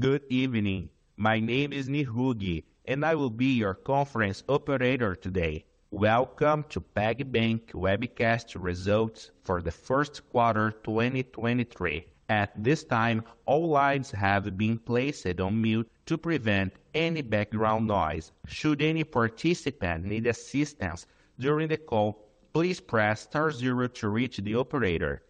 Good evening. My name is Nihuge, and I will be your conference operator today. Welcome to PagBank Webcast Results for the First Quarter 2023. At this time, all lines have been placed on mute to prevent any background noise. Should any participant need assistance during the call, please press star zero to reach the operator.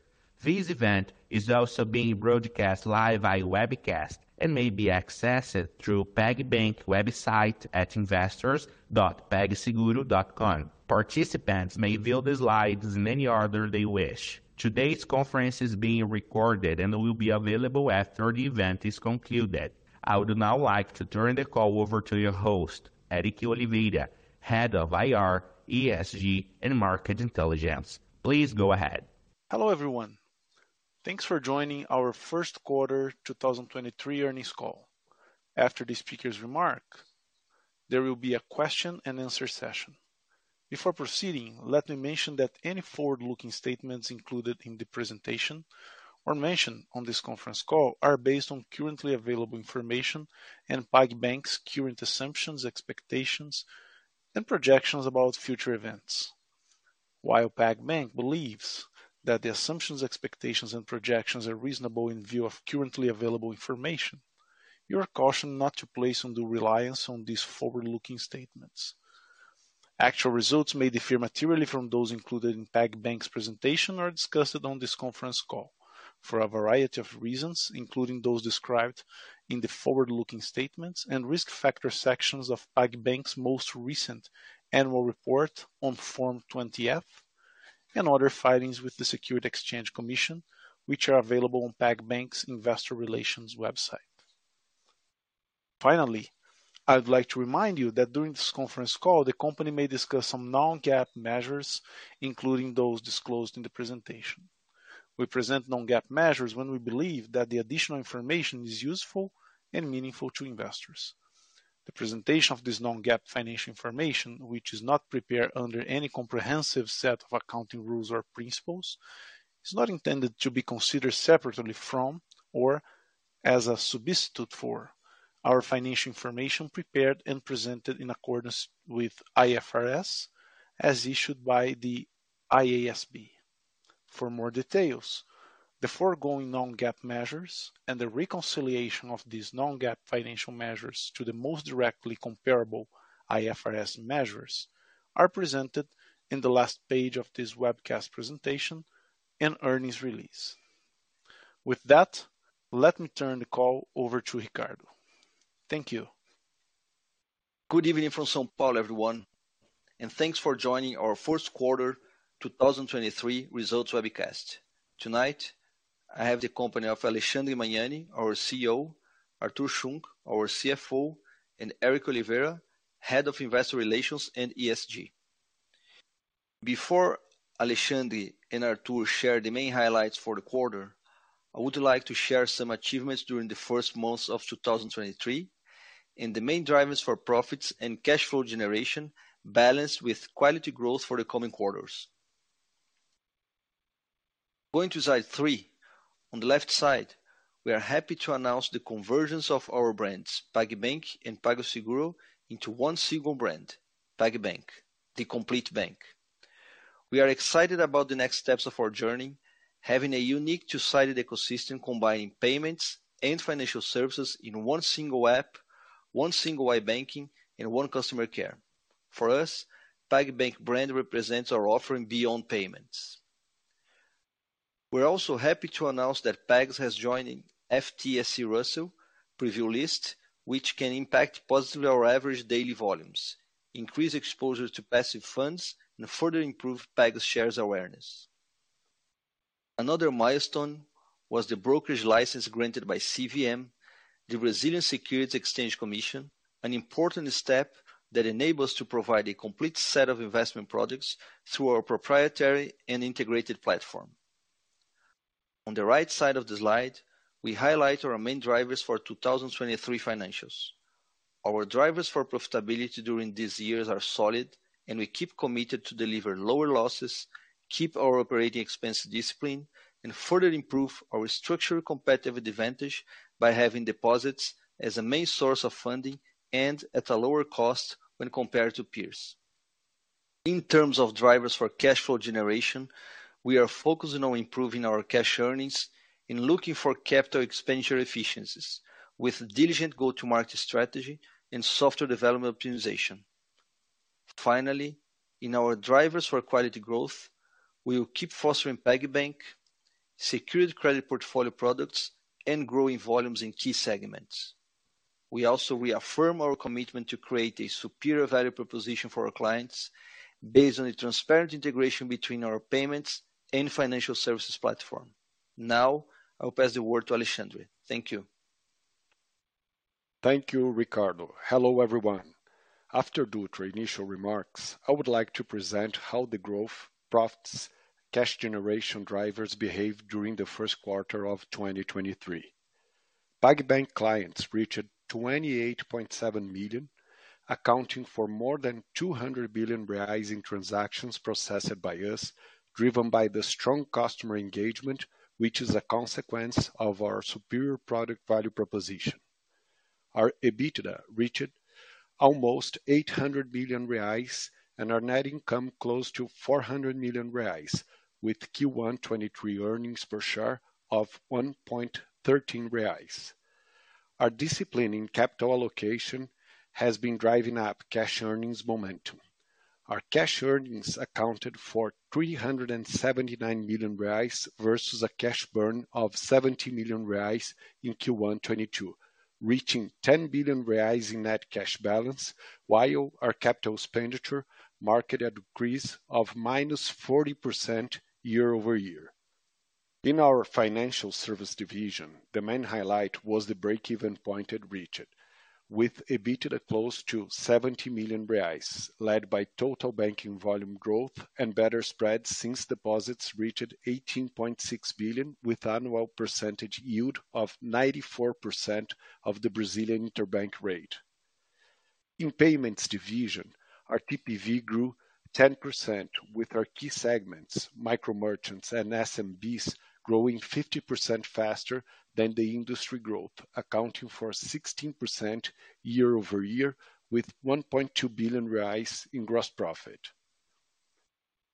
This event is also being broadcast live via webcast and may be accessed through PagBank website at investors.pagseguro.com. Participants may view the slides in any order they wish. Today's conference is being recorded and will be available after the event is concluded. I would now like to turn the call over to your host, Éric Oliveira, Head of IR, ESG, and Market Intelligence. Please go ahead. Hello, everyone. Thanks for joining our First Quarter 2023 Earnings Call. After the speaker's remark, there will be a question and answer session. Before proceeding, let me mention that any forward-looking statements included in the presentation or mentioned on this conference call are based on currently available information and PagBank's current assumptions, expectations, and projections about future events. While PagBank believes that the assumptions, expectations, and projections are reasonable in view of currently available information, you are cautioned not to place undue reliance on these forward-looking statements. Actual results may differ materially from those included in PagBank's presentation or discussed on this conference call for a variety of reasons, including those described in the forward-looking statements and risk factor sections of PagBank's most recent annual report on Form 20-F and other filings with the Securities and Exchange Commission, which are available on PagBank's investor relations website. Finally, I'd like to remind you that during this conference call, the company may discuss some non-GAAP measures, including those disclosed in the presentation. We present non-GAAP measures when we believe that the additional information is useful and meaningful to investors. The presentation of this non-GAAP financial information, which is not prepared under any comprehensive set of accounting rules or principles, is not intended to be considered separately from or as a substitute for our financial information prepared and presented in accordance with IFRS, as issued by the IASB. For more details, the foregoing non-GAAP measures and the reconciliation of these non-GAAP financial measures to the most directly comparable IFRS measures are presented in the last page of this webcast presentation and earnings release. With that, let me turn the call over to Ricardo. Thank you. Good evening from São Paulo, everyone, and thanks for joining our first quarter 2023 results webcast. Tonight, I have the company of Alexandre Magnani, our CEO, Artur Schunck, our CFO, and Éric Oliveira, Head of Investor Relations and ESG. Before Alexandre and Artur share the main highlights for the quarter, I would like to share some achievements during the first months of 2023, and the main drivers for profits and cash flow generation, balanced with quality growth for the coming quarters. Going to slide three. On the left side, we are happy to announce the convergence of our brands, PagBank and PagSeguro, into one single brand, PagBank, the complete bank. We are excited about the next steps of our journey, having a unique two-sided ecosystem, combining payments and financial services in one single app, one single iBanking, and one customer care. For us, PagBank brand represents our offering beyond payments. We're also happy to announce that PAGS has joined FTSE Russell preview list, which can impact positively our average daily volumes, increase exposure to passive funds, and further improve PAGS shares awareness. Another milestone was the brokerage license granted by CVM, the Brazilian Securities and Exchange Commission, an important step that enables to provide a complete set of investment products through our proprietary and integrated platform. On the right side of the slide, we highlight our main drivers for 2023 financials. Our drivers for profitability during these years are solid, and we keep committed to deliver lower losses, keep our operating expense discipline, and further improve our structural competitive advantage by having deposits as a main source of funding and at a lower cost when compared to peers. In terms of drivers for cash flow generation, we are focusing on improving our cash earnings and looking for capital expenditure efficiencies with diligent go-to-market strategy and software development optimization. Finally, in our drivers for quality growth, we will keep fostering PagBank, secured credit portfolio products, and growing volumes in key segments. We also reaffirm our commitment to create a superior value proposition for our clients based on a transparent integration between our payments and financial services platform. Now, I will pass the word to Alexandre. Thank you. Thank you, Ricardo. Hello, everyone. After due to initial remarks, I would like to present how the growth, profits, cash generation drivers behaved during the first quarter of 2023. PagBank clients reached 28.7 million, accounting for more than 200 billion rising transactions processed by us, driven by the strong customer engagement, which is a consequence of our superior product value proposition.... Our EBITDA reached almost 800 million reais, and our net income close to 400 million reais, with Q1 2023 earnings per share of 1.13 reais. Our discipline in capital allocation has been driving up cash earnings momentum. Our cash earnings accounted for 379 million reais versus a cash burn of 70 million reais in Q1 2022, reaching 10 billion reais in net cash balance, while our capital expenditure marked a decrease of -40% year-over-year. In our financial service division, the main highlight was the break-even point it reached, with EBITDA close to 70 million reais, led by total banking volume growth and better spreads, since deposits reached 18.6 billion, with annual percentage yield of 94% of the Brazilian interbank rate. In payments division, our TPV grew 10% with our key segments, micro merchants and SMBs, growing 50% faster than the industry growth, accounting for 16% year-over-year, with BRL 1.2 billion in gross profit.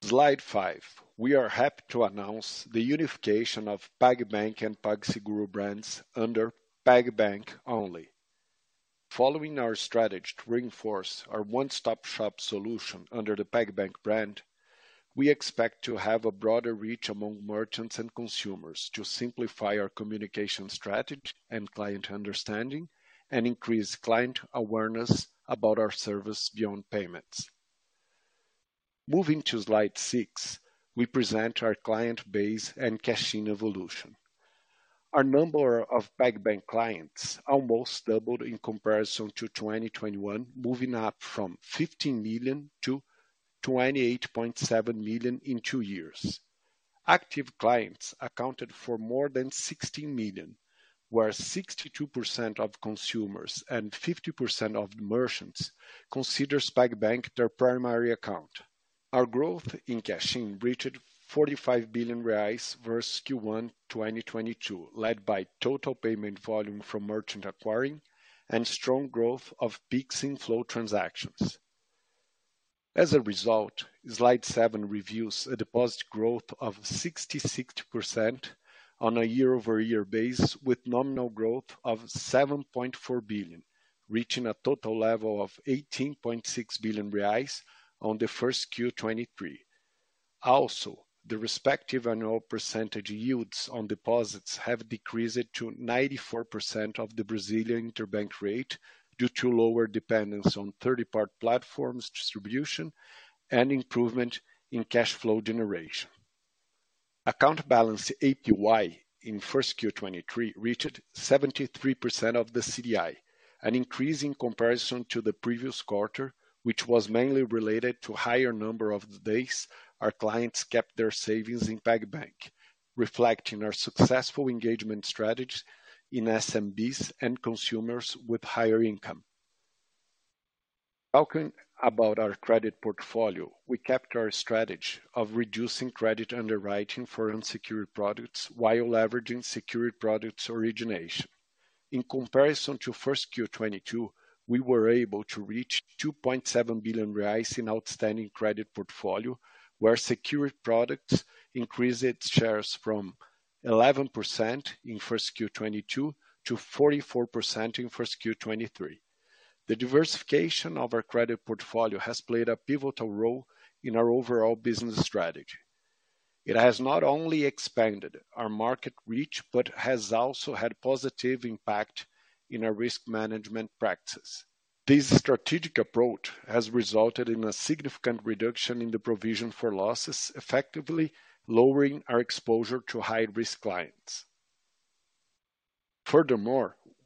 Slide five, we are happy to announce the unification of PagBank and PagSeguro brands under PagBank only. Following our strategy to reinforce our one-stop-shop solution under the PagBank brand, we expect to have a broader reach among merchants and consumers to simplify our communication strategy and client understanding, and increase client awareness about our service beyond payments. Moving to slide six, we present our client base and cash-in evolution. Our number of PagBank clients almost doubled in comparison to 2021, moving up from 15 million-28.7 million in two years. Active clients accounted for more than 16 million, where 62% of consumers and 50% of the merchants considers PagBank their primary account. Our growth in cash-in reached 45 billion reais versus Q1 2022, led by total payment volume from merchant acquiring and strong growth of Pix inflow transactions. As a result, slide seven reviews a deposit growth of 60% on a year-over-year basis, with nominal growth of 7.4 billion, reaching a total level of 18.6 billion reais on the first Q 2023. The respective annual percentage yields on deposits have decreased to 94% of the Brazilian interbank rate due to lower dependence on third-party platforms distribution and improvement in cash flow generation. Account balance APY in 1Q '23 reached 73% of the CDI, an increase in comparison to the previous quarter, which was mainly related to higher number of the days our clients kept their savings in PagBank, reflecting our successful engagement strategies in SMBs and consumers with higher income. Talking about our credit portfolio, we kept our strategy of reducing credit underwriting for unsecured products while leveraging secured products origination. In comparison to 1Q 2022, we were able to reach 2.7 billion reais in outstanding credit portfolio, where secured products increased its shares from 11% in 1Q 2022 to 44% in 1Q 2023. The diversification of our credit portfolio has played a pivotal role in our overall business strategy. It has not only expanded our market reach, but has also had positive impact in our risk management practices. This strategic approach has resulted in a significant reduction in the provision for losses, effectively lowering our exposure to high-risk clients.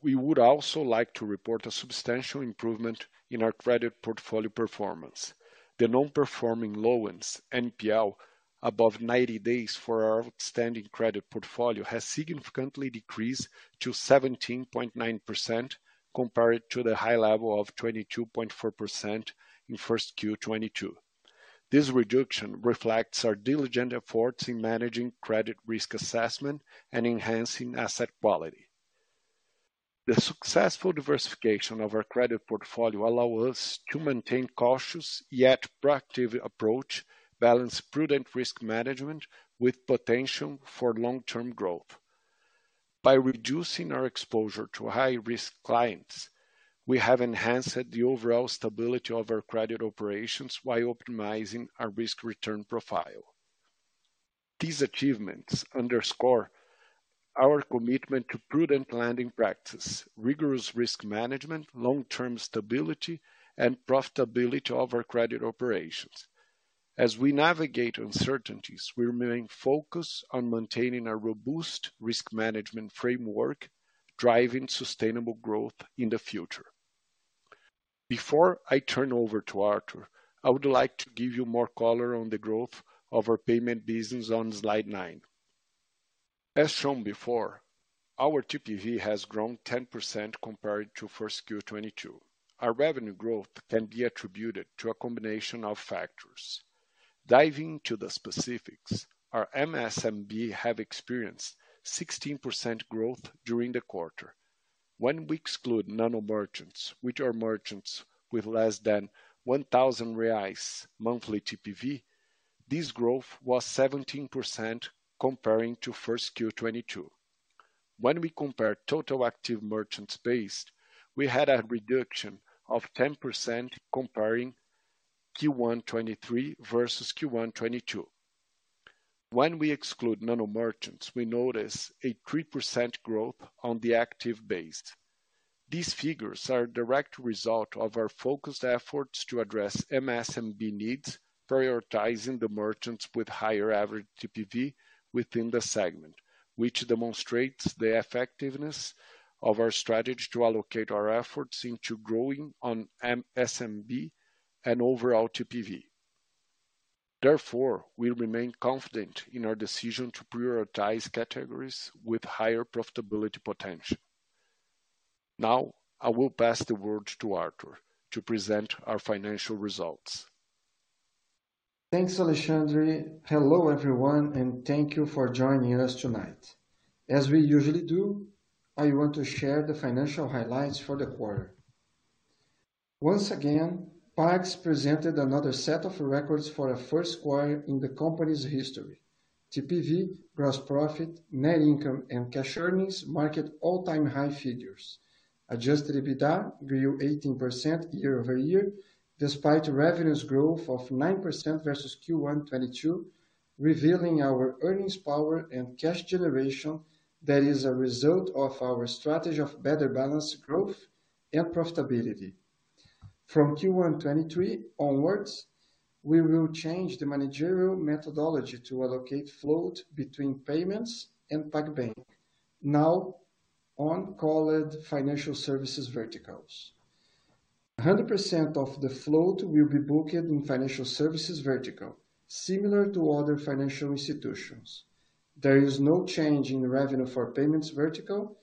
We would also like to report a substantial improvement in our credit portfolio performance. The non-performing loans, NPL, above 90 days for our outstanding credit portfolio has significantly decreased to 17.9%, compared to the high level of 22.4% in 1Q 2022. This reduction reflects our diligent efforts in managing credit risk assessment and enhancing asset quality. The successful diversification of our credit portfolio allow us to maintain cautious, yet proactive approach, balance prudent risk management with potential for long-term growth. By reducing our exposure to high-risk clients, we have enhanced the overall stability of our credit operations while optimizing our risk-return profile. These achievements underscore our commitment to prudent lending practice, rigorous risk management, long-term stability, and profitability of our credit operations. As we navigate uncertainties, we remain focused on maintaining a robust risk management framework, driving sustainable growth in the future. Before I turn over to Artur, I would like to give you more color on the growth of our payment business on slide nine. As shown before, our TPV has grown 10% compared to 1Q 2022. Our revenue growth can be attributed to a combination of factors. Diving into the specifics, our MSMB have experienced 16% growth during the quarter. When we exclude nano merchants, which are merchants with less than 1,000 reais monthly TPV, this growth was 17% comparing to Q1 2022. When we compare total active merchants base, we had a reduction of 10% comparing Q1 2023 versus Q1 2022. When we exclude nano merchants, we notice a 3% growth on the active base. These figures are a direct result of our focused efforts to address MSMB needs, prioritizing the merchants with higher average TPV within the segment, which demonstrates the effectiveness of our strategy to allocate our efforts into growing on MSMB and overall TPV. Therefore, we remain confident in our decision to prioritize categories with higher profitability potential. Now, I will pass the word to Artur to present our financial results. Thanks, Alexandre. Hello, everyone, and thank you for joining us tonight. As we usually do, I want to share the financial highlights for the quarter. Once again, Pags presented another set of records for a first quarter in the company's history. TPV, gross profit, net income, and cash earnings marked all-time high figures. Adjusted EBITDA grew 18% year-over-year, despite revenues growth of 9% versus Q1 2022, revealing our earnings power and cash generation that is a result of our strategy of better balanced growth and profitability. From Q1 2023 onwards, we will change the managerial methodology to allocate float between payments and PagBank, now on called financial services verticals. 100% of the float will be booked in financial services vertical, similar to other financial institutions. There is no change in revenue for payments vertical.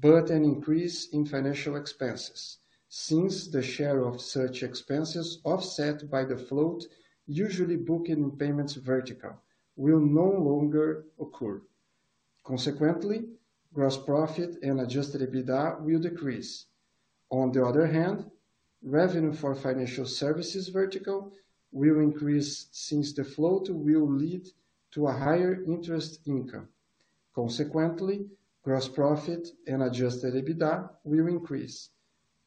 An increase in financial expenses, since the share of such expenses offset by the float, usually booked in payments vertical, will no longer occur. Gross profit and adjusted EBITDA will decrease. Revenue for financial services vertical will increase since the float will lead to a higher interest income. Gross profit and adjusted EBITDA will increase.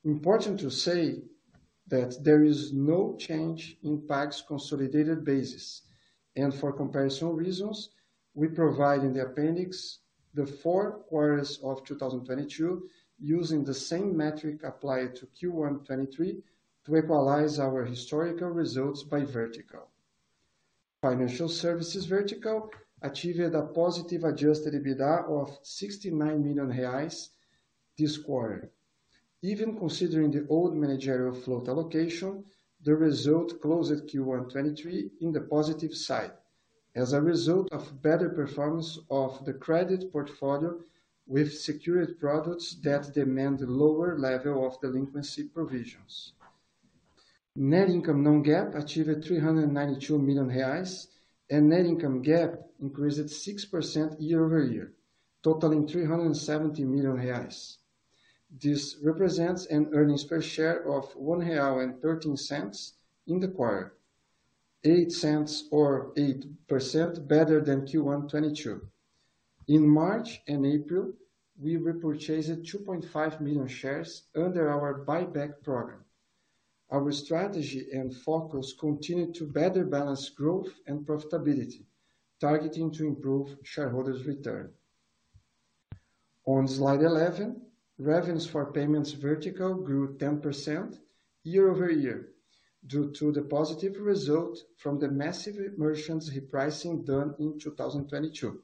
Important to say that there is no change in PagBank consolidated basis. For comparison reasons, we provide in the appendix the four quarters of 2022, using the same metric applied to Q1 2023 to equalize our historical results by vertical. Financial services vertical achieved a positive adjusted EBITDA of 69 million reais this quarter. Even considering the old managerial float allocation, the result closed at Q1 2023 in the positive side, as a result of better performance of the credit portfolio with secured products that demand lower level of delinquency provisions. Net income non-GAAP achieved 392 million reais, and net income GAAP increased 6% year-over-year, totaling 370 million reais. This represents an earnings per share of 1.13 real in the quarter, 0.08 or 8% better than Q1 2022. In March and April, we repurchased 2.5 million shares under our buyback program. Our strategy and focus continue to better balance growth and profitability, targeting to improve shareholders' return. On slide 11, revenues for payments vertical grew 10% year-over-year due to the positive result from the massive merchants repricing done in 2022.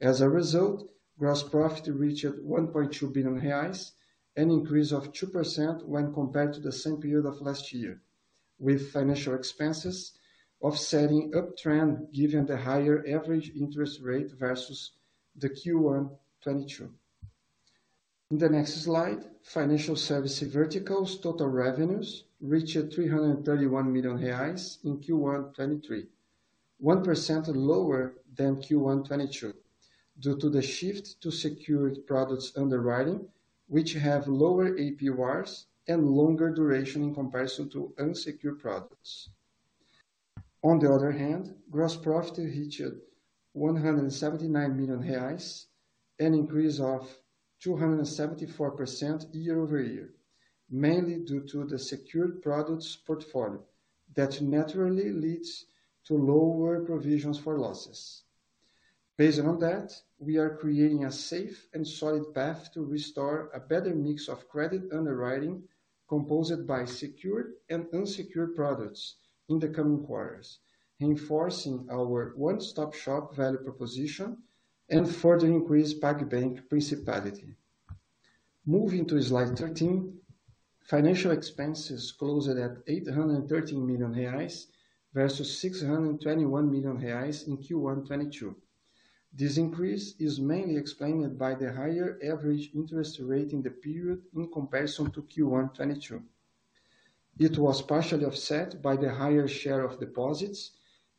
As a result, gross profit reached 1.2 billion reais, an increase of 2% when compared to the same period of last year, with financial expenses offsetting uptrend, given the higher average interest rate versus the Q1 2022. In the next slide, financial services verticals total revenues reached 331 million reais in Q1 2023, 1% lower than Q1 2022, due to the shift to secured products underwriting, which have lower APRs and longer duration in comparison to unsecured products. On the other hand, gross profit reached 179 million reais, an increase of 274% year-over-year, mainly due to the secured products portfolio that naturally leads to lower provisions for losses. Based on that, we are creating a safe and solid path to restore a better mix of credit underwriting composed by secured and unsecured products in the coming quarters, reinforcing our one-stop-shop value proposition and further increase PagBank principality. Moving to slide 13, financial expenses closed at 813 million reais versus 621 million reais in Q1 2022. This increase is mainly explained by the higher average interest rate in the period in comparison to Q1 2022. It was partially offset by the higher share of deposits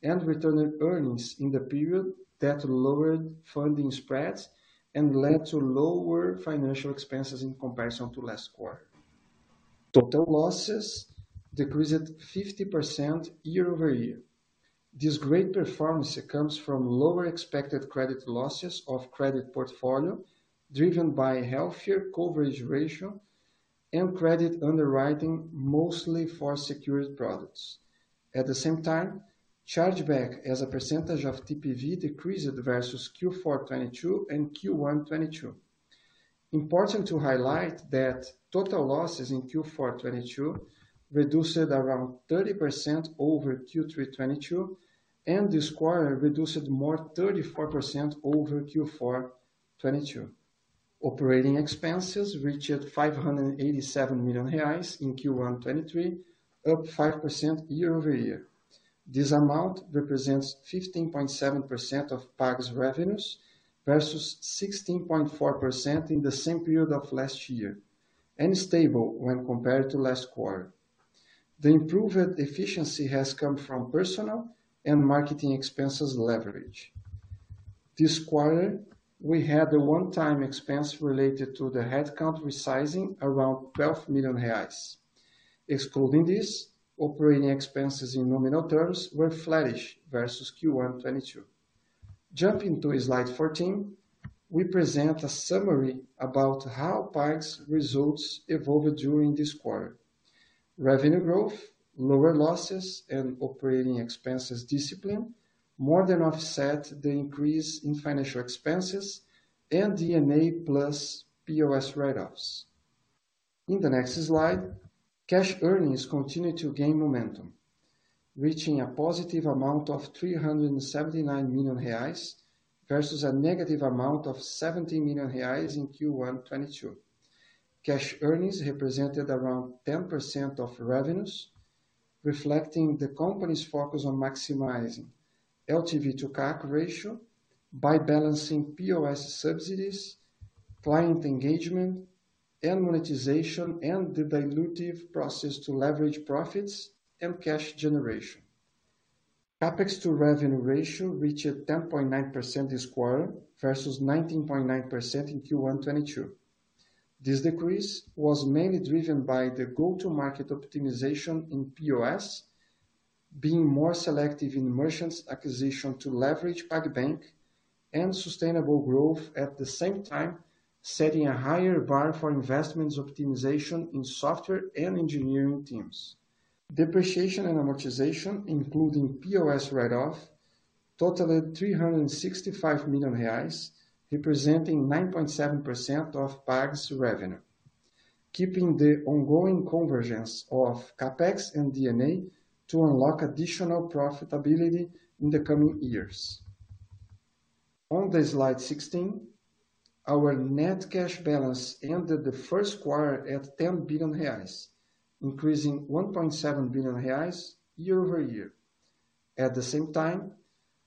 and returned earnings in the period that lowered funding spreads and led to lower financial expenses in comparison to last quarter. Total losses decreased 50% year-over-year. This great performance comes from lower expected credit losses of credit portfolio, driven by healthier coverage ratio and credit underwriting, mostly for secured products. At the same time, chargeback as a percentage of TPV decreased versus Q4 2022 and Q1 2022. Important to highlight that total losses in Q4 2022 reduced around 30% over Q3 2022. This quarter reduced more 34% over Q4 2022. Operating expenses reached 587 million reais in Q1 2023, up 5% year-over-year. This amount represents 15.7% of PagBank's revenues, versus 16.4% in the same period of last year, and stable when compared to last quarter. The improved efficiency has come from personal and marketing expenses leverage. This quarter, we had a one-time expense related to the headcount resizing around 12 million reais. Excluding this, operating expenses in nominal terms were flat-ish versus Q1 2022. Jumping to slide 14, we present a summary about how PagBank's results evolved during this quarter. Revenue growth, lower losses, and operating expenses discipline, more than offset the increase in financial expenses and D&A plus POS write-offs. In the next slide, cash earnings continued to gain momentum, reaching a positive amount of 379 million reais, versus a negative amount of 70 million reais in Q1 2022. Cash earnings represented around 10% of revenues, reflecting the company's focus on maximizing LTV to CAC ratio by balancing POS subsidies, client engagement, and monetization, and the dilutive process to leverage profits and cash generation. CapEx to revenue ratio reached 10.9% this quarter, versus 19.9% in Q1 2022. This decrease was mainly driven by the go-to-market optimization in POS, being more selective in merchants acquisition to leverage PagBank and sustainable growth, at the same time, setting a higher bar for investments optimization in software and engineering teams. Depreciation and amortization, including POS write-off, totaled 365 million reais, representing 9.7% of PAG's revenue, keeping the ongoing convergence of CapEx and D&A to unlock additional profitability in the coming years. On slide 16, our net cash balance ended the first quarter at 10 billion reais, increasing 1.7 billion reais year-over-year. At the same time,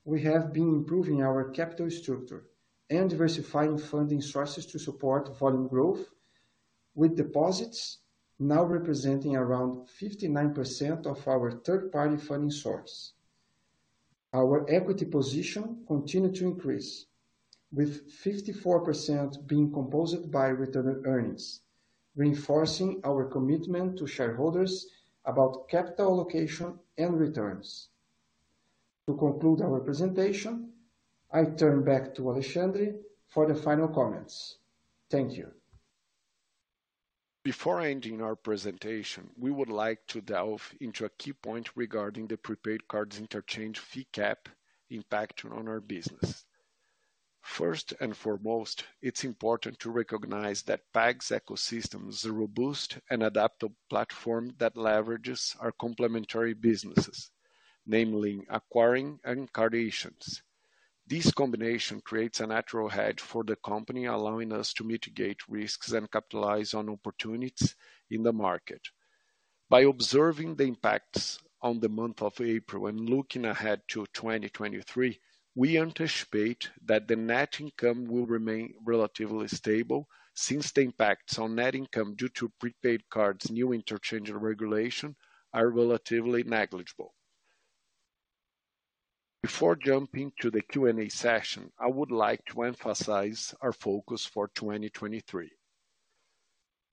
we have been improving our capital structure and diversifying funding sources to support volume growth, with deposits now representing around 59% of our third-party funding source. Our equity position continued to increase, with 54% being composed by returned earnings, reinforcing our commitment to shareholders about capital allocation and returns. To conclude our presentation, I turn back to Alexandre for the final comments. Thank you. Before ending our presentation, we would like to delve into a key point regarding the prepaid cards interchange fee cap impact on our business. First and foremost, it's important to recognize that PAG's ecosystem is a robust and adaptive platform that leverages our complementary businesses, namely acquiring and card issuance. This combination creates a natural hedge for the company, allowing us to mitigate risks and capitalize on opportunities in the market. By observing the impacts on the month of April and looking ahead to 2023, we anticipate that the net income will remain relatively stable, since the impacts on net income due to prepaid cards' new interchange regulation are relatively negligible. Before jumping to the Q&A session, I would like to emphasize our focus for 2023.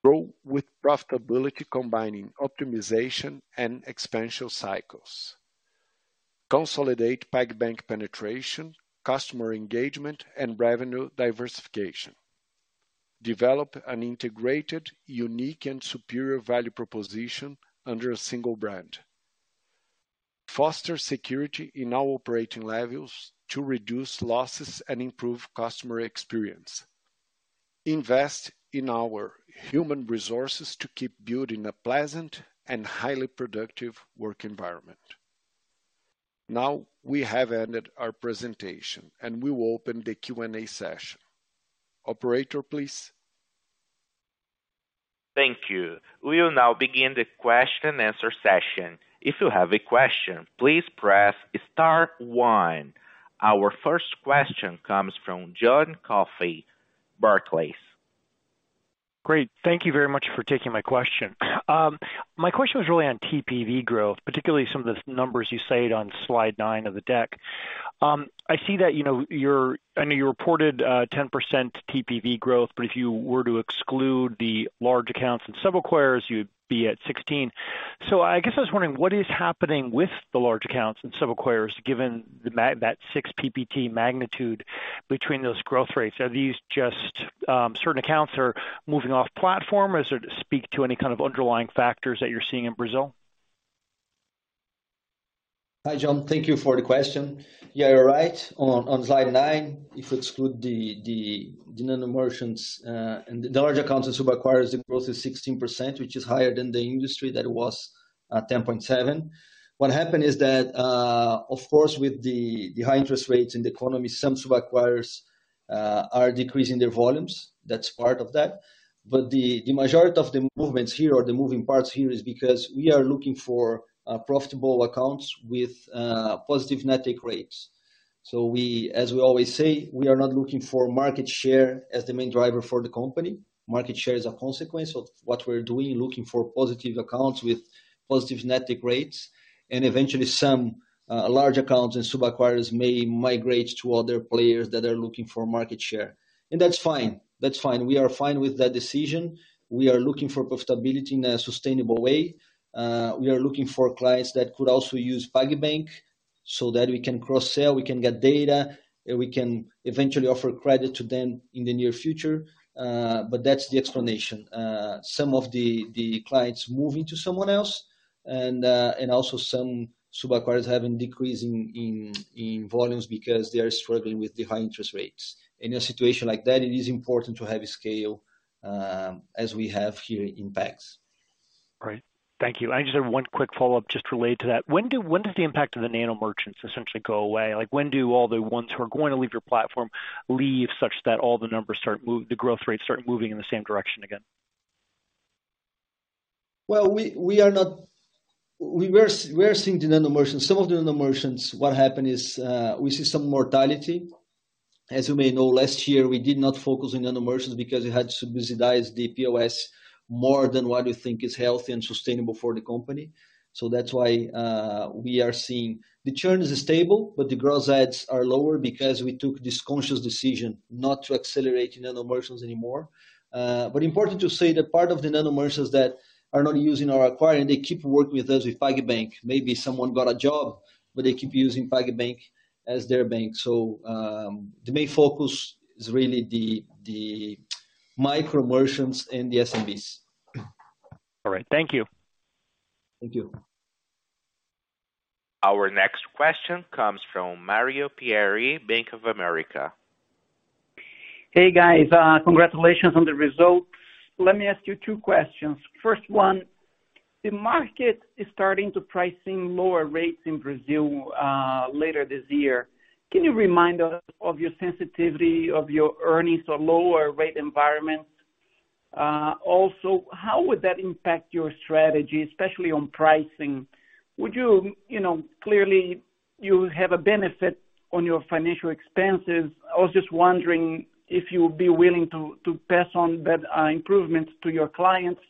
Grow with profitability, combining optimization and expansion cycles. Consolidate PagBank penetration, customer engagement, and revenue diversification. Develop an integrated, unique, and superior value proposition under a single brand. Foster security in all operating levels to reduce losses and improve customer experience. Invest in our human resources to keep building a pleasant and highly productive work environment. Now, we have ended our presentation, and we will open the Q&A session. Operator, please? Thank you. We will now begin the question and answer session. If you have a question, please press star one. Our first question comes from John Coffey, Barclays. Great. Thank you very much for taking my question. My question was really on TPV growth, particularly some of the numbers you said on slide nine of the deck. I see that, you know, I know you reported 10% TPV growth, but if you were to exclude the large accounts and sub-acquirers, you'd be at 16. I guess I was wondering, what is happening with the large accounts and sub-acquirers, given the that six PPT magnitude between those growth rates? Are these just certain accounts are moving off platform, or is there to speak to any kind of underlying factors that you're seeing in Brazil? Hi, John. Thank you for the question. You're right, on slide nine, if you exclude the nano merchants and the large accounts and sub-acquirers, it grows to 16%, which is higher than the industry that was at 10.7. What happened is that, of course, with the high interest rates in the economy, some sub-acquirers are decreasing their volumes. That's part of that. The majority of the movements here or the moving parts here is because we are looking for profitable accounts with positive net take rates. As we always say, we are not looking for market share as the main driver for the company. Market share is a consequence of what we're doing, looking for positive accounts with positive net take rates. Eventually some large accounts and sub-acquirers may migrate to other players that are looking for market share. That's fine. That's fine. We are fine with that decision. We are looking for profitability in a sustainable way. We are looking for clients that could also use PagBank so that we can cross-sell, we can get data, and we can eventually offer credit to them in the near future. But that's the explanation. Some of the clients moving to someone else, and also some sub-acquirers having decreasing in volumes because they are struggling with the high interest rates. In a situation like that, it is important to have a scale as we have here in Pags. Great. Thank you. I just have one quick follow-up, just related to that. When does the impact of the nano merchants essentially go away? Like, when do all the ones who are going to leave your platform leave such that all the numbers the growth rates start moving in the same direction again? Well, we are not seeing the nano merchants. Some of the nano merchants, what happened is, we see some mortality. As you may know, last year, we did not focus on nano merchants because we had to subsidize the POS more than what we think is healthy and sustainable for the company. That's why we are seeing. The churn is stable, but the growth rates are lower because we took this conscious decision not to accelerate the nano merchants anymore. Important to say that part of the nano merchants that are not using our acquiring, they keep working with us with PagBank. Maybe someone got a job, but they keep using PagBank as their bank. The main focus is really the micro merchants and the SMBs. All right. Thank you. Thank you. Our next question comes from Mario Pierry, Bank of America. Hey, guys, congratulations on the results. Let me ask you two questions. First one, the market is starting to pricing lower rates in Brazil, later this year. Can you remind us of your sensitivity of your earnings or lower rate environment? Also, how would that impact your strategy, especially on pricing? You know, clearly, you have a benefit on your financial expenses. I was just wondering if you would be willing to pass on that improvement to your clients,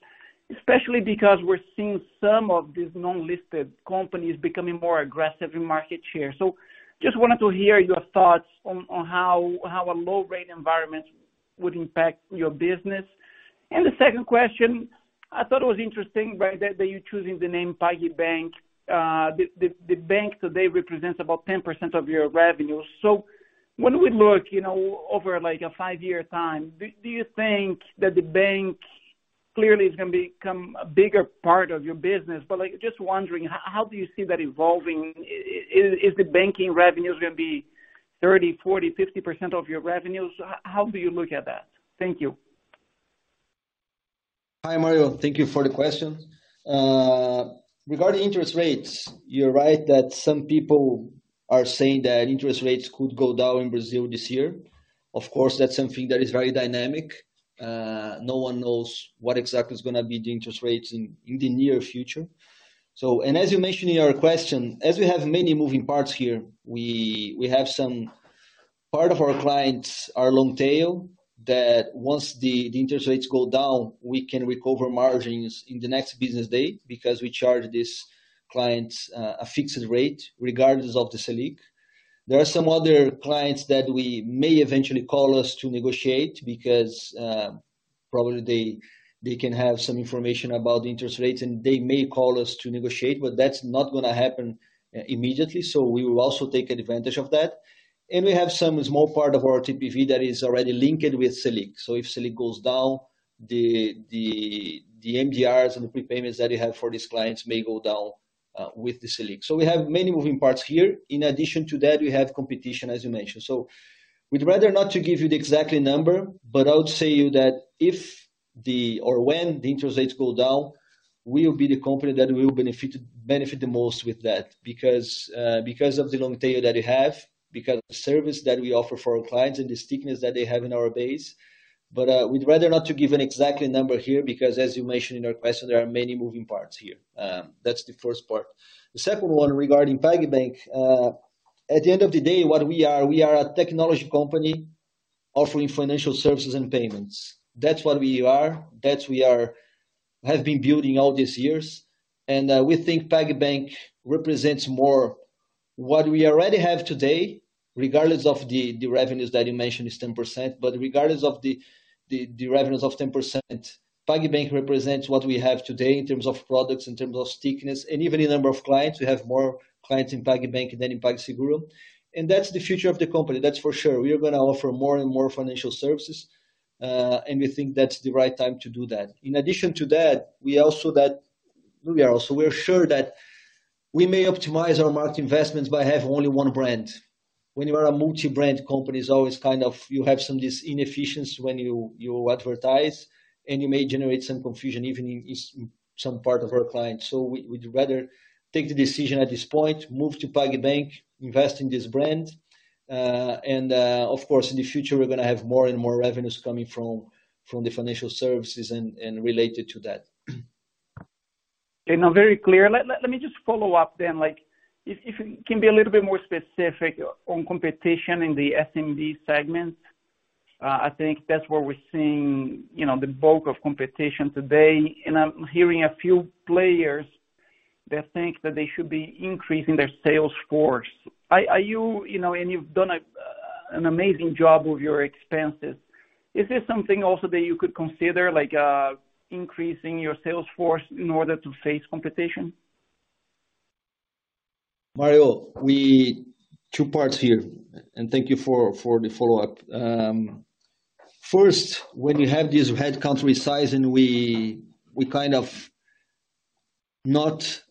especially because we're seeing some of these non-listed companies becoming more aggressive in market share. Just wanted to hear your thoughts on how a low rate environment would impact your business. The second question, I thought it was interesting, right, that you're choosing the name PagBank. The, the bank today represents about 10% of your revenue. When we look, you know, over like a five-year time, do you think that the bank clearly is gonna become a bigger part of your business? Like, just wondering, how do you see that evolving? Is the banking revenues gonna be 30%, 40%, 50% of your revenues? How do you look at that? Thank you. Hi, Mario, thank you for the question. Regarding interest rates, you're right that some people are saying that interest rates could go down in Brazil this year. Of course, that's something that is very dynamic. No one knows what exactly is gonna be the interest rates in the near future. As you mentioned in your question, as we have many moving parts here, we have some part of our clients are long tail, that once the interest rates go down, we can recover margins in the next business day because we charge these clients a fixed rate, regardless of the Selic. There are some other clients that we may eventually call us to negotiate because probably they can have some information about the interest rates, and they may call us to negotiate, but that's not gonna happen immediately. We will also take advantage of that. We have some small part of our TPV that is already linked with Selic. If Selic goes down, the MDRs and the prepayments that we have for these clients may go down with the Selic. We have many moving parts here. In addition to that, we have competition, as you mentioned. We'd rather not to give you the exact number, but I would say that if the or when the interest rates go down, we will be the company that will benefit the most with that, because of the long tail that we have, because of the service that we offer for our clients and the stickiness that they have in our base. We'd rather not to give an exact number here, because as you mentioned in your question, there are many moving parts here. That's the first part. The second one, regarding PagBank. At the end of the day, what we are, we are a technology company offering financial services and payments. That's what we are. That's we have been building all these years. We think PagBank represents more what we already have today, regardless of the revenues that you mentioned is 10%. Regardless of the, the revenues of 10%, PagBank represents what we have today in terms of products, in terms of stickiness, and even in number of clients. We have more clients in PagBank than in PagSeguro. That's the future of the company, that's for sure. We are going to offer more and more financial services, and we think that's the right time to do that. In addition to that, we're sure that we may optimize our market investments by having only one brand. When you are a multi-brand company, it's always kind of, you have some of this inefficiency when you advertise, and you may generate some confusion, even in some part of our clients. We'd rather take the decision at this point, move to PagBank, invest in this brand. Of course, in the future, we're going to have more and more revenues coming from the financial services and related to that. Okay, now very clear. Let me just follow up then. Like, if you can be a little bit more specific on competition in the SMB segment, I think that's where we're seeing, you know, the bulk of competition today, and I'm hearing a few players that think that they should be increasing their sales force. Are you know, and you've done an amazing job with your expenses. Is this something also that you could consider, like, increasing your sales force in order to face competition? Mario, two parts here, thank you for the follow-up. First, when you have this headcount resizing, we kind of not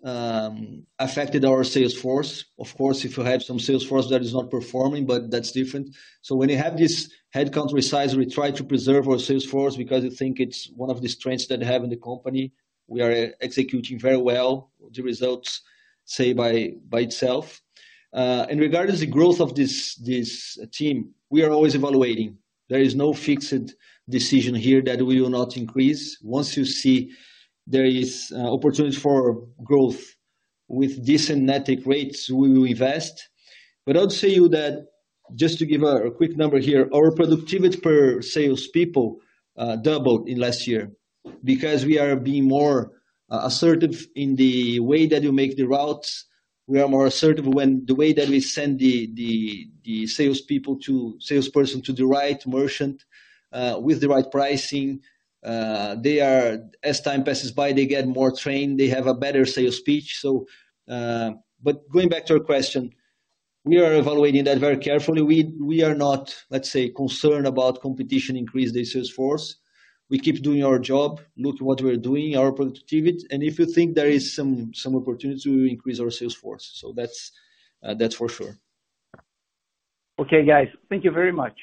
affected our sales force. Of course, if you have some sales force that is not performing, but that's different. When you have this headcount resize, we try to preserve our sales force because I think it's one of the strengths that I have in the company. We are executing very well. The results say itself. Regardless of the growth of this team, we are always evaluating. There is no fixed decision here that we will not increase. Once you see there is opportunity for growth with decent net take rates, we will invest. I'll tell you that, just to give a quick number here, our productivity per salespeople doubled in last year because we are being more assertive in the way that you make the routes. We are more assertive the way that we send the salesperson to the right merchant with the right pricing. They are, as time passes by, they get more trained, they have a better sales speech, so. Going back to your question, we are evaluating that very carefully. We are not, let's say, concerned about competition increase the sales force. We keep doing our job, look what we're doing, our productivity, and if you think there is some opportunity, we increase our sales force. That's for sure. Okay, guys. Thank you very much.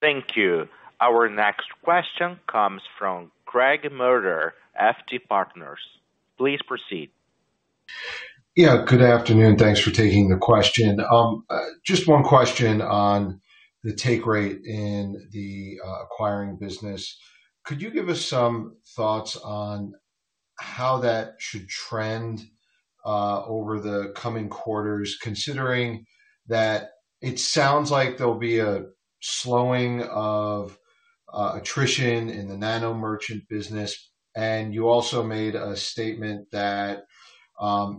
Thank you. Our next question comes from Craig Maurer, FT Partners. Please proceed. Yeah, good afternoon. Thanks for taking the question. Just one question on the take rate in the acquiring business. Could you give us some thoughts on how that should trend over the coming quarters, considering that it sounds like there'll be a slowing of attrition in the nano merchant business, and you also made a statement that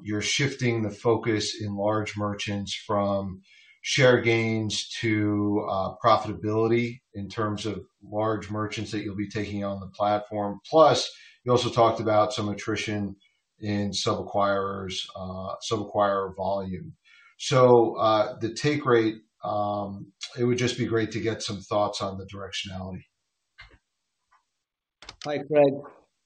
you're shifting the focus in large merchants from share gains to profitability in terms of large merchants that you'll be taking on the platform. You also talked about some attrition in sub-acquirers, sub-acquirer volume. The take rate, it would just be great to get some thoughts on the directionality. Hi, Craig.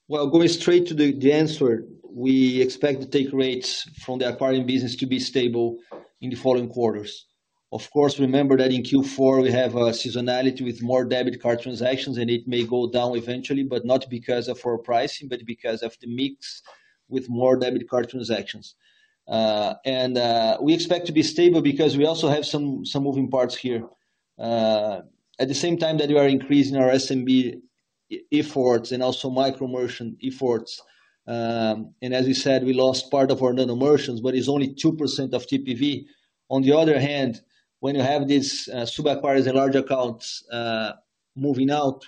Well, going straight to the answer, we expect the take rates from the acquiring business to be stable in the following quarters. Of course, remember that in Q4, we have a seasonality with more debit card transactions, it may go down eventually, not because of our pricing, because of the mix with more debit card transactions. We expect to be stable because we also have some moving parts here. At the same time that we are increasing our SMB efforts and also micro merchant efforts, as we said, we lost part of our nano merchants, it's only 2% of TPV. On the other hand, when you have these, sub-acquirers and large accounts, moving out,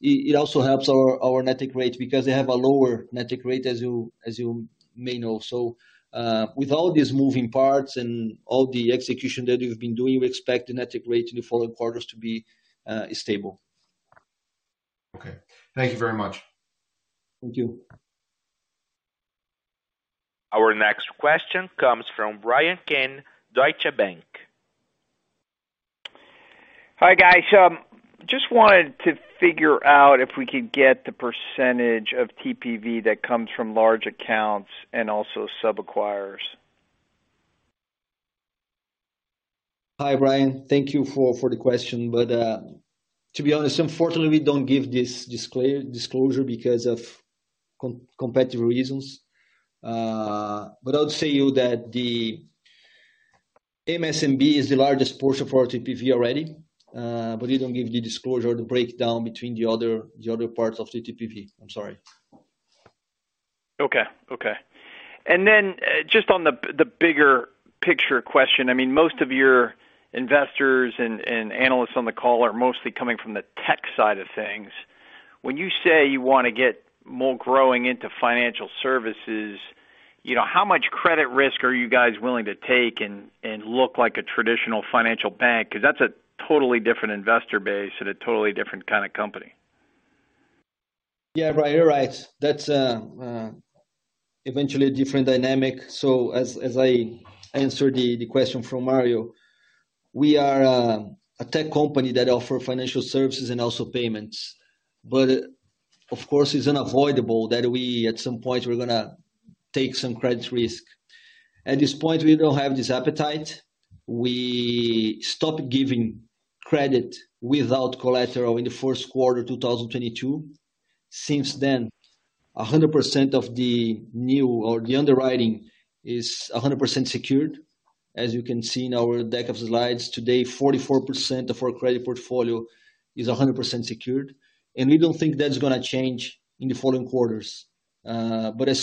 it also helps our net take rate because they have a lower net take rate, as you, as you may know. With all these moving parts and all the execution that we've been doing, we expect the net take rate in the following quarters to be stable. Okay. Thank you very much. Thank you. Our next question comes from Bryan Keane, Deutsche Bank. Hi, guys. just wanted to figure out if we could get the percentage of TPV that comes from large accounts and also sub-acquirers? Hi, Bryan. Thank you for the question, to be honest, unfortunately, we don't give this disclosure because of competitive reasons. I'll say to you that the MSMB is the largest portion for our TPV already. We don't give the disclosure or the breakdown between the other parts of the TPV. I'm sorry. Okay. Okay. just on the bigger picture question, I mean, most of your investors and analysts on the call are mostly coming from the tech side of things. When you say you wanna get more growing into financial services, you know, how much credit risk are you guys willing to take and look like a traditional financial bank? that's a totally different investor base and a totally different kind of company. Yeah, Bryan, you're right. That's eventually a different dynamic. As I answered the question from Mario Pierry, we are a tech company that offer financial services and also payments. Of course, it's unavoidable that we, at some point, we're gonna take some credit risk. At this point, we don't have this appetite. We stopped giving credit without collateral in the first quarter, 2022. Since then, 100% of the new or the underwriting is 100% secured. As you can see in our deck of slides today, 44% of our credit portfolio is 100% secured, and we don't think that's gonna change in the following quarters. At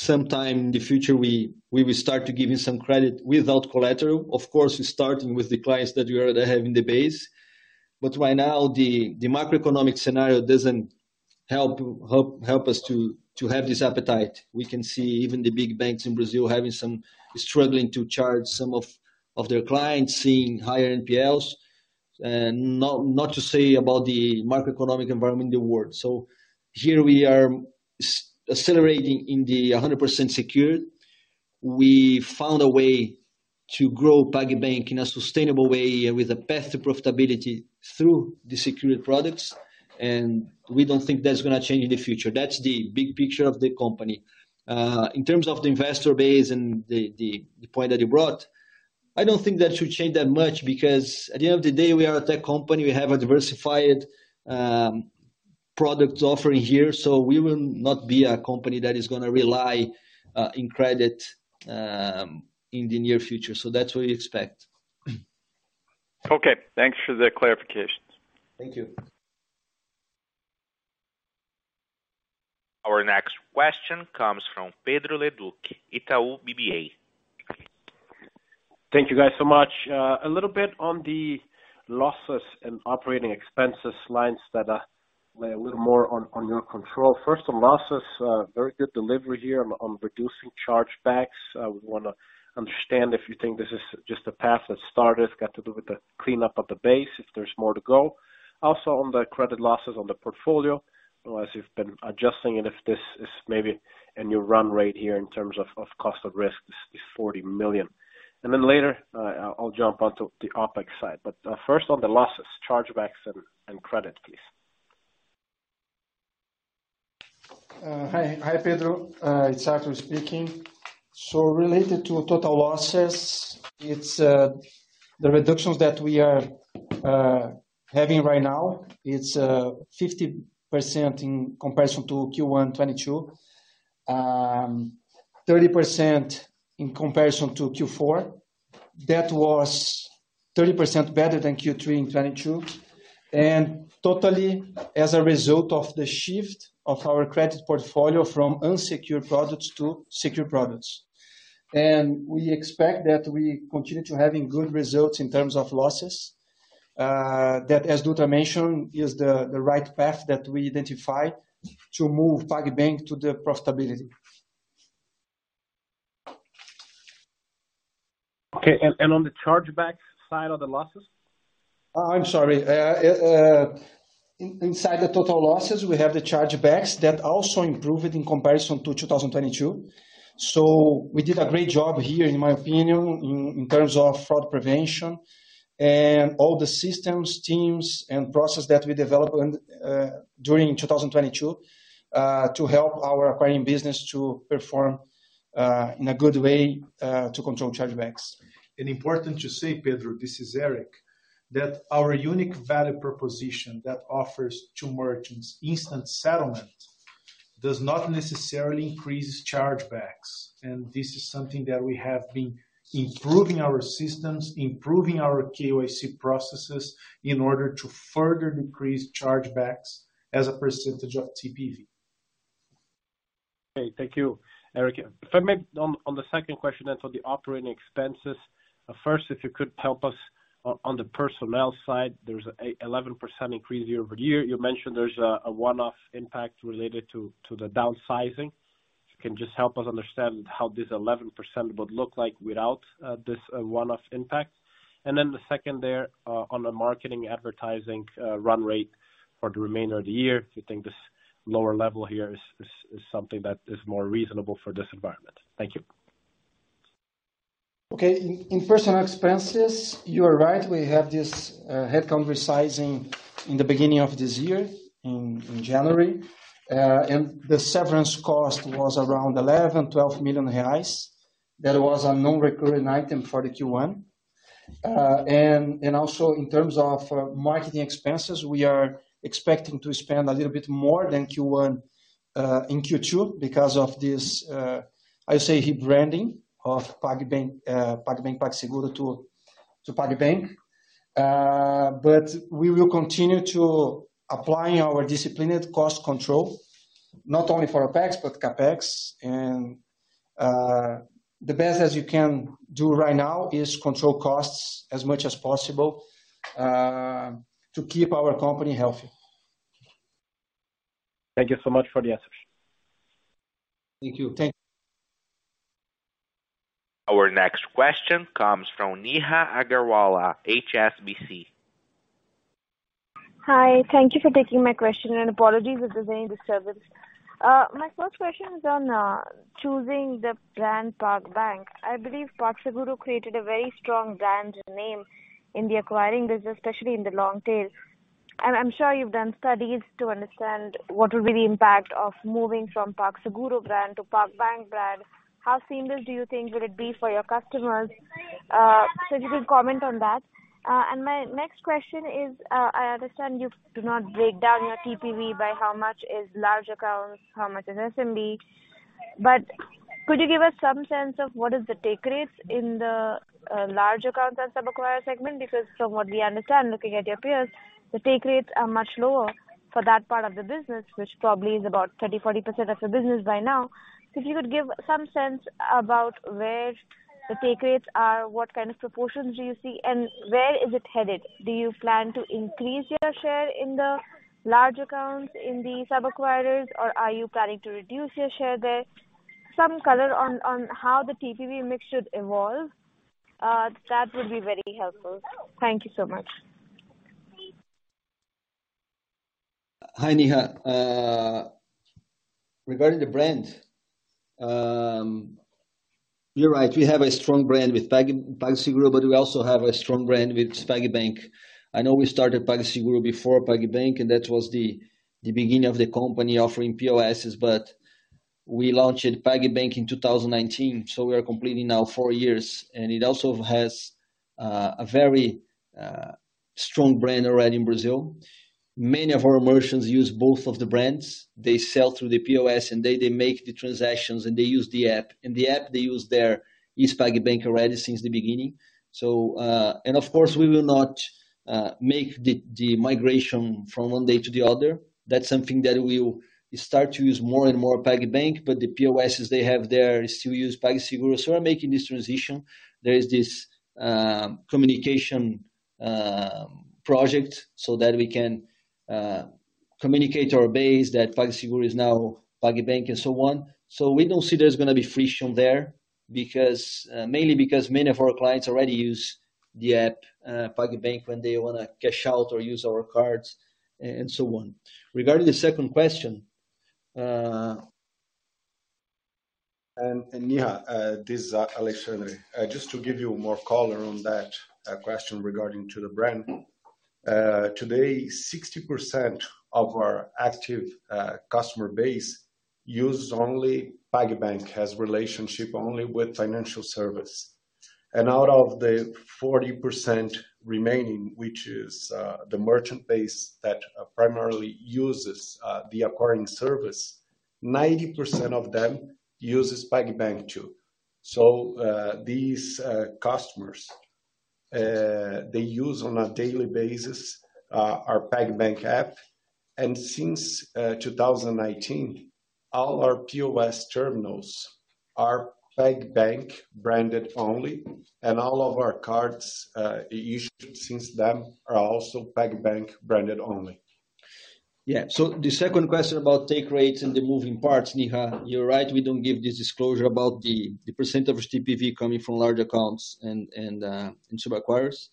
sometime in the future, we will start to giving some credit without collateral. Of course, we starting with the clients that we already have in the base. Right now, the macroeconomic scenario doesn't help us to have this appetite. We can see even the big banks in Brazil having struggling to charge some of their clients, seeing higher NPLs, not to say about the macroeconomic environment in the world. Here we are accelerating in the 100% secured. We found a way to grow PagBank in a sustainable way with a path to profitability through the secured products. We don't think that's gonna change in the future. That's the big picture of the company. In terms of the investor base and the, the point that you brought, I don't think that should change that much, because at the end of the day, we are a tech company. We have a diversified, product offering here, so we will not be a company that is gonna rely, in credit, in the near future. That's what we expect. Okay, thanks for the clarifications. Thank you. Our next question comes from Pedro Leduc, Itaú BBA. Thank you, guys, so much. A little bit on the losses and operating expenses lines that lay a little more on your control. First, on losses, very good delivery here on reducing chargebacks. I would wanna understand if you think this is just a path that's started, got to do with the cleanup of the base, if there's more to go. Also, on the credit losses on the portfolio, as you've been adjusting it, if this is maybe a new run rate here in terms of cost of risk, this is 40 million. Later, I'll jump onto the OpEx side. First on the losses, chargebacks and credit, please. Hi. Hi, Pedro, it's Artur speaking. Related to total losses, it's the reductions that we are having right now, it's 50% in comparison to Q1 2022. 30% in comparison to Q4. That was 30% better than Q3 in 2022, and totally as a result of the shift of our credit portfolio from unsecured products to secure products. We expect that we continue to having good results in terms of losses, that, as Dutra mentioned, is the right path that we identify to move PagBank to the profitability. Okay, on the chargeback side of the losses? I'm sorry. Inside the total losses, we have the chargebacks that also improved in comparison to 2022. We did a great job here, in my opinion, in terms of fraud prevention and all the systems, teams, and processes that we developed when during 2022 to help our acquiring business to perform in a good way to control chargebacks. Important to say, Pedro, this is Éric, that our unique value proposition that offers to merchants instant settlement does not necessarily increase chargebacks. This is something that we have been improving our systems, improving our KYC processes, in order to further decrease chargebacks as a percentage of TPV. Okay, thank you, Éric. If I may, on the second question for the operating expenses. First, if you could help us on the personnel side, there's a 11% increase year-over-year. You mentioned there's a one-off impact related to the downsizing. If you can just help us understand how this 11% would look like without this one-off impact. The second there on the marketing advertising run rate for the remainder of the year, if you think this lower level here is something that is more reasonable for this environment. Thank you. Okay. In personal expenses, you are right, we have this headcount resizing in the beginning of this year, in January. The severance cost was around 11 million-12 million reais. That was a non-recurring item for the Q1.... and also in terms of marketing expenses, we are expecting to spend a little bit more than Q1 in Q2, because of this, I say, rebranding of PagBank, PagSeguro to PagBank. We will continue to applying our disciplined cost control, not only for OpEx, but CapEx. The best as you can do right now is control costs as much as possible to keep our company healthy. Thank you so much for the answers. Thank you. Thank- Our next question comes from Neha Agarwala, HSBC. Hi, thank you for taking my question. Apologies if there's any disturbance. My first question is on choosing the brand PagBank. I believe PagSeguro created a very strong brand name in the acquiring business, especially in the long tail. I'm sure you've done studies to understand what will be the impact of moving from PagSeguro brand to PagBank brand. How seamless do you think will it be for your customers? If you could comment on that. My next question is, I understand you do not break down your TPV by how much is large accounts, how much is SMB, but could you give us some sense of what is the take rates in the large accounts and sub-acquirer segment? From what we understand, looking at your peers, the take rates are much lower for that part of the business, which probably is about 30%, 40% of your business by now. If you could give some sense about where the take rates are, what kind of proportions do you see, and where is it headed? Do you plan to increase your share in the large accounts, in the sub-acquirers, or are you planning to reduce your share there? Some color on how the TPV mix should evolve, that would be very helpful. Thank you so much. Hi, Neha. Regarding the brand, you're right, we have a strong brand with Pag, PagSeguro, but we also have a strong brand with PagBank. I know we started PagSeguro before PagBank, and that was the beginning of the company offering POS, but we launched PagBank in 2019, so we are completing now four years, and it also has a very strong brand already in Brazil. Many of our merchants use both of the brands. They sell through the POS, and they make the transactions, and they use the app. In the app, they use their is PagBank already since the beginning. Of course, we will not make the migration from one day to the other. That's something that we will start to use more and more PagBank, but the POS they have there still use PagSeguro. We're making this transition. There is this communication project, so that we can communicate to our base that PagSeguro is now PagBank and so on. We don't see there's gonna be friction there, because mainly because many of our clients already use the app PagBank, when they wanna cash out or use our cards and so on. Regarding the second question. Neha, this is Alexandre. Just to give you more color on that question regarding to the brand. Today, 60% of our active customer base uses only PagBank, has relationship only with financial service. Out of the 40% remaining, which is the merchant base that primarily uses the acquiring service, 90% of them uses PagBank, too. These customers, they use on a daily basis our PagBank app, and since 2019, all our POS terminals are PagBank branded only, and all of our cards issued since then are also PagBank branded only. The second question about take rates and the moving parts, Neha, you're right, we don't give this disclosure about the percent of TPV coming from large accounts and sub-acquirers.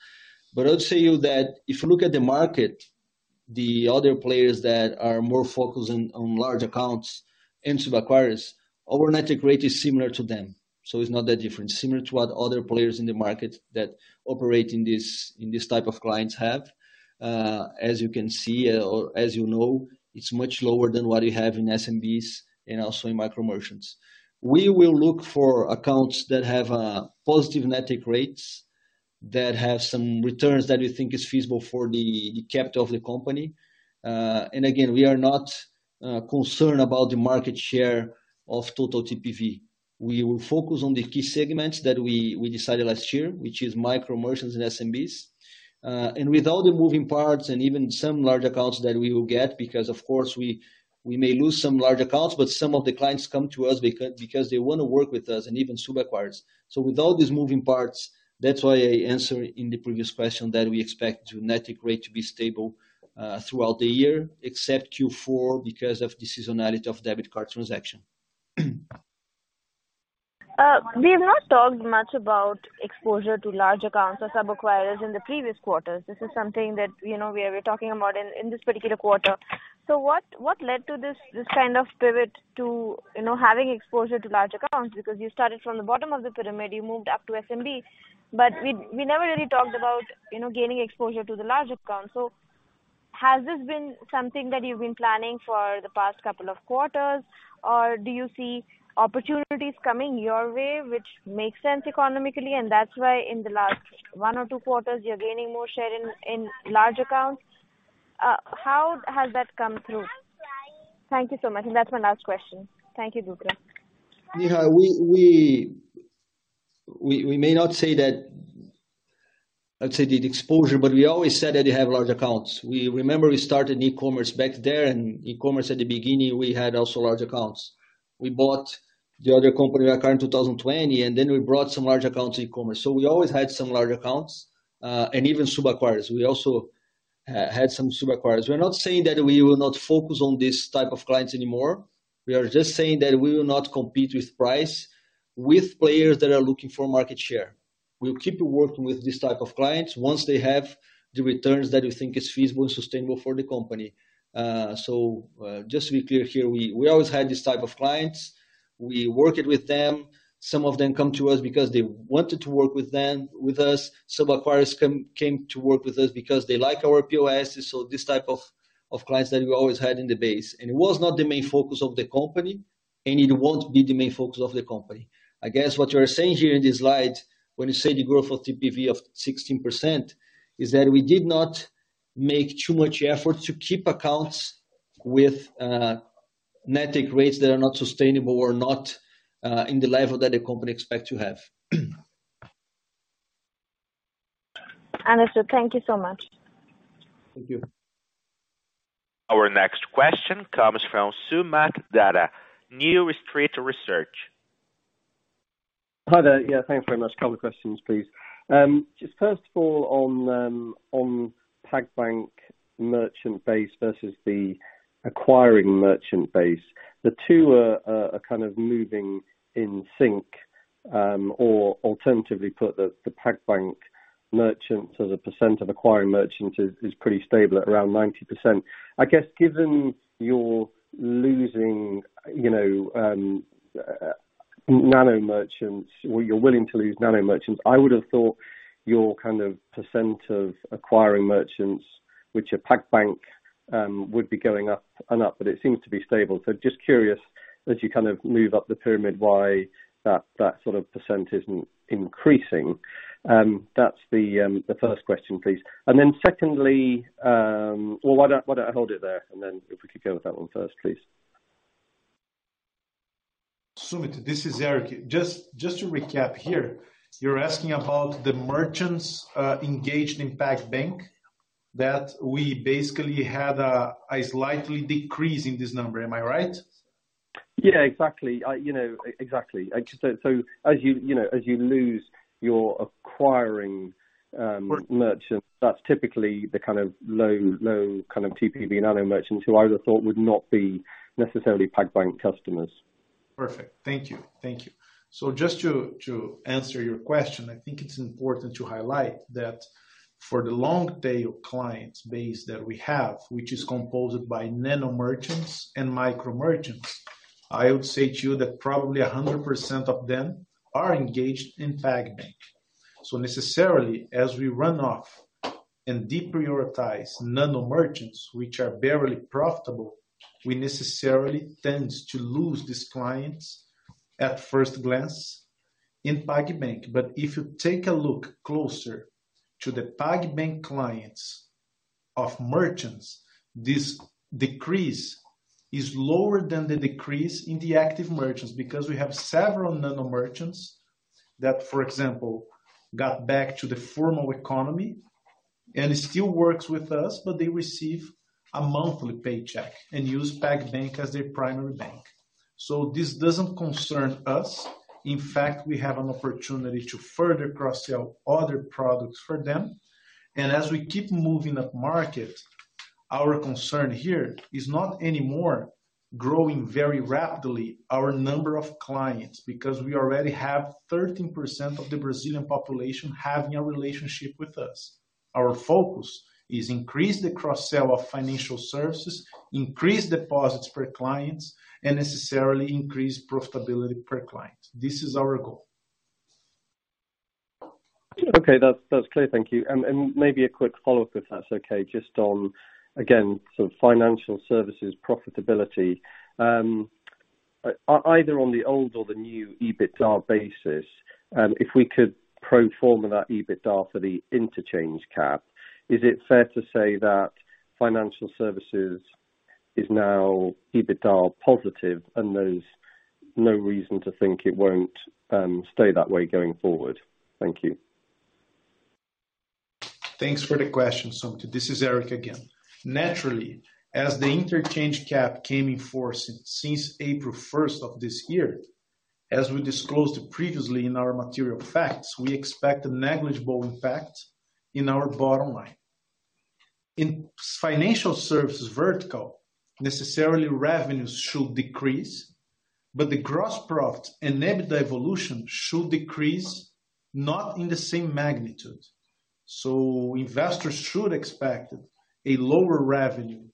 I'll tell you that if you look at the market, the other players that are more focused on large accounts and sub-acquirers, our net take rate is similar to them. It's not that different. Similar to what other players in the market that operate in this type of clients have. As you can see, or as you know, it's much lower than what you have in SMBs and also in micro merchants. We will look for accounts that have positive net take rates, that have some returns that you think is feasible for the capital of the company. Again, we are not concerned about the market share of total TPV. We will focus on the key segments that we decided last year, which is micro merchants and SMBs. With all the moving parts and even some large accounts that we will get, because of course, we may lose some large accounts, but some of the clients come to us because they wanna work with us, and even sub-acquirers. With all these moving parts, that's why I answered in the previous question that we expect the net take rate to be stable throughout the year, except Q4, because of the seasonality of debit card transaction. We have not talked much about exposure to large accounts or sub-acquirers in the previous quarters. This is something that, you know, we're talking about in this particular quarter. What, what led to this kind of pivot to, you know, having exposure to large accounts? Because you started from the bottom of the pyramid, you moved up to SMB, but we never really talked about, you know, gaining exposure to the large accounts. Has this been something that you've been planning for the past couple of quarters? Do you see opportunities coming your way, which makes sense economically, and that's why in the last 1 or 2 quarters, you're gaining more share in large accounts? How has that come through? Thank you so much, and that's my last question. Thank you, Dutra. Yeah, we may not say that, let's say, the exposure, but we always said that we have large accounts. Remember, we started e-commerce back there, and e-commerce at the beginning, we had also large accounts. We bought the other company back in 2020, and then we brought some large accounts to e-commerce. We always had some large accounts, and even sub acquirers. We also had some sub acquirers. We're not saying that we will not focus on this type of clients anymore. We are just saying that we will not compete with price with players that are looking for market share. We'll keep working with this type of clients once they have the returns that we think is feasible and sustainable for the company. Just to be clear here, we always had this type of clients. We worked with them. Some of them come to us because they wanted to work with them, with us. Sub-acquirers came to work with us because they like our POS, so this type of clients that we always had in the base. It was not the main focus of the company, and it won't be the main focus of the company. I guess what you're saying here in this slide, when you say the growth of TPV of 16%, is that we did not make too much effort to keep accounts with net take rates that are not sustainable or not in the level that the company expects to have. Understood. Thank you so much. Thank you. Our next question comes from Soomit Datta, New Street Research. Hi there. Yeah, thanks very much. Couple of questions, please. Just first of all, on PagBank merchant base versus the acquiring merchant base. The two are kind of moving in sync, or alternatively put, the PagBank merchant as a % of acquiring merchant is pretty stable at around 90%. I guess, given you're losing, you know, nano merchants, or you're willing to lose nano merchants, I would have thought your kind of % of acquiring merchants, which are PagBank, would be going up and up, but it seems to be stable. Just curious, as you kind of move up the pyramid, why that sort of % isn't increasing? That's the first question, please. Then secondly... Well, why don't I hold it there, and then if we could go with that one first, please. Soomit, this is Éric. Just to recap here, you're asking about the merchants engaged in PagBank, that we basically had a slightly decrease in this number. Am I right? Yeah, exactly. I, you know, exactly. As you know, as you lose your acquiring merchants, that's typically the kind of low kind of TPV nano merchants who I would have thought would not be necessarily PagBank customers. Perfect. Thank you. Thank you. Just to answer your question, I think it's important to highlight that for the long tail clients base that we have, which is composed by nano merchants and micro merchants, I would say to you that probably 100% of them are engaged in PagBank. Necessarily, as we run off and deprioritize nano merchants, which are barely profitable, we necessarily tend to lose these clients at first glance in PagBank. If you take a look closer to the PagBank clients of merchants, this decrease is lower than the decrease in the active merchants, because we have several nano merchants that, for example, got back to the formal economy and still works with us, but they receive a monthly paycheck and use PagBank as their primary bank. This doesn't concern us. In fact, we have an opportunity to further cross-sell other products for them. As we keep moving upmarket, our concern here is not anymore growing very rapidly our number of clients, because we already have 13% of the Brazilian population having a relationship with us. Our focus is increase the cross-sell of financial services, increase deposits per clients, and necessarily increase profitability per client. This is our goal. Okay, that's clear. Thank you. Maybe a quick follow-up, if that's okay, just on, again, sort of financial services profitability. Either on the old or the new EBITDA basis, if we could pro forma that EBITDA for the interchange cap, is it fair to say that financial services is now EBITDA positive, and there's no reason to think it won't stay that way going forward? Thank you. Thanks for the question, Soomit. This is Éric again. Naturally, as the interchange cap came in force since April first of this year, as we disclosed previously in our material facts, we expect a negligible impact in our bottom line. In financial services vertical, necessarily revenues should decrease, but the gross profit and EBITDA evolution should decrease not in the same magnitude. Investors should expect a lower revenue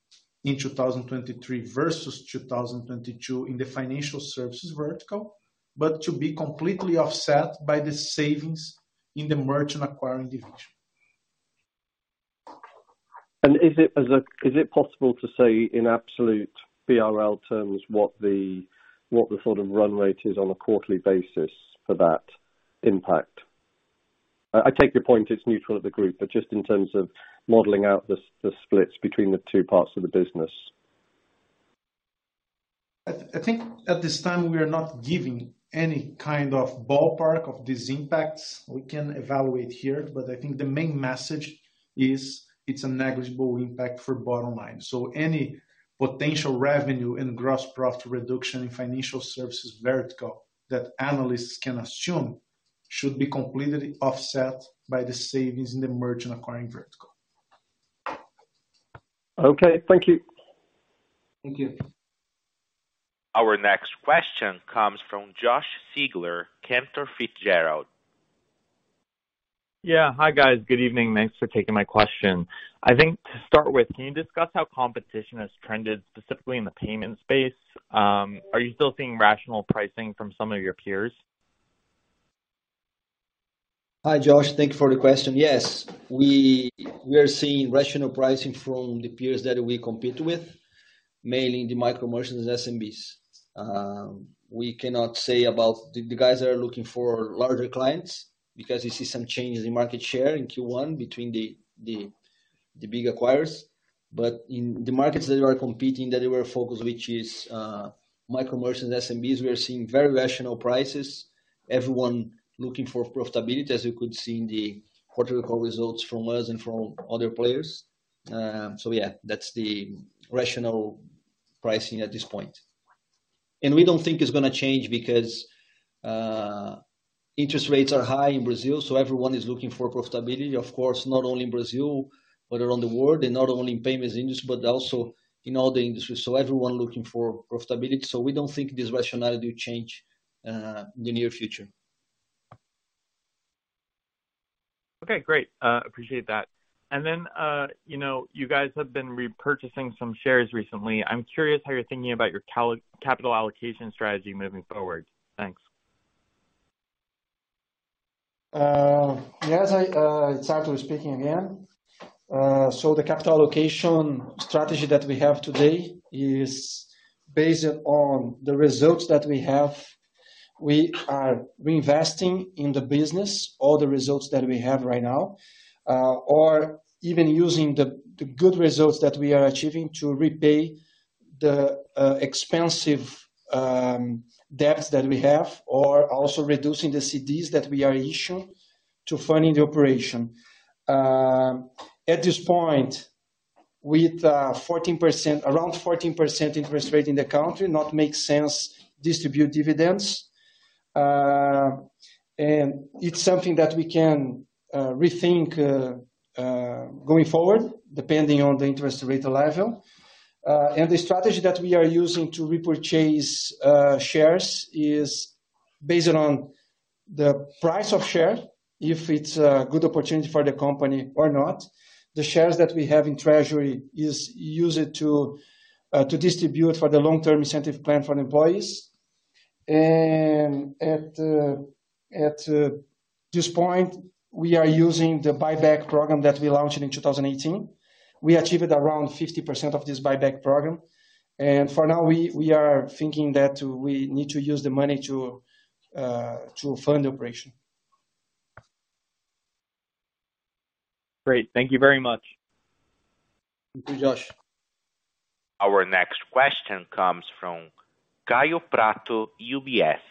in 2023 versus 2022 in the financial services vertical, but to be completely offset by the savings in the merchant acquiring division. Is it possible to say in absolute BRL terms, what the sort of run rate is on a quarterly basis for that impact? I take your point, it's neutral of the group, but just in terms of modeling out the splits between the two parts of the business. I think at this time, we are not giving any kind of ballpark of these impacts we can evaluate here, but I think the main message is it's a negligible impact for bottom line. Any potential revenue and gross profit reduction in financial services vertical that analysts can assume should be completely offset by the savings in the merchant acquiring vertical. Okay, thank you. Thank you. Our next question comes from Josh Siegler, Cantor Fitzgerald. Yeah. Hi, guys. Good evening. Thanks for taking my question. I think to start with, can you discuss how competition has trended, specifically in the payment space? Are you still seeing rational pricing from some of your peers? Hi, Josh. Thank you for the question. Yes, we are seeing rational pricing from the peers that we compete with, mainly in the micro merchants and SMBs. We cannot say about the guys that are looking for larger clients, because we see some changes in market share in Q1 between the big acquirers. In the markets that are competing, that they were focused, which is micro merchants and SMBs, we are seeing very rational prices. Everyone looking for profitability, as you could see in the quarter results from us and from other players. Yeah, that's the rational pricing at this point. We don't think it's gonna change because interest rates are high in Brazil, so everyone is looking for profitability. Of course, not only in Brazil, but around the world, and not only in payments industry, but also in all the industries. Everyone looking for profitability, so we don't think this rationality will change, in the near future. Okay, great. appreciate that. You know, you guys have been repurchasing some shares recently. I'm curious how you're thinking about your capital allocation strategy moving forward. Thanks. Yes, I, it's Artur speaking again. The capital allocation strategy that we have today is based on the results that we have. We are reinvesting in the business, all the results that we have right now, or even using the good results that we are achieving to repay the expensive debts that we have, or also reducing the CDs that we are issuing to funding the operation. At this point, with around 14% interest rate in the country, not make sense distribute dividends. It's something that we can rethink going forward, depending on the interest rate level. The strategy that we are using to repurchase shares is based on the price of share, if it's a good opportunity for the company or not. The shares that we have in treasury is used to distribute for the long-term incentive plan for the employees. At this point, we are using the buyback program that we launched in 2018. We achieved around 50% of this buyback program, for now, we are thinking that we need to use the money to fund the operation. Great. Thank you very much. Thank you, Josh. Our next question comes from Kaio Prato, UBS.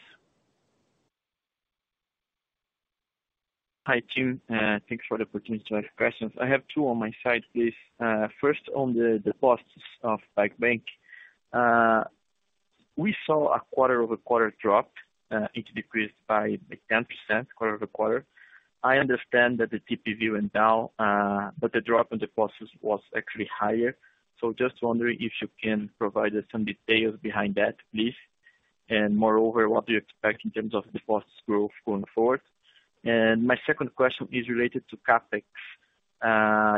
Hi, team, thanks for the opportunity to ask questions. I have two on my side, please. First, on the posts of PagBank. We saw a quarter-over-quarter drop, it decreased by 10%, quarter-over-quarter. I understand that the TPV went down, but the drop in the posts was actually higher. Just wondering if you can provide us some details behind that, please. Moreover, what do you expect in terms of deposits growth going forward? My second question is related to CapEx.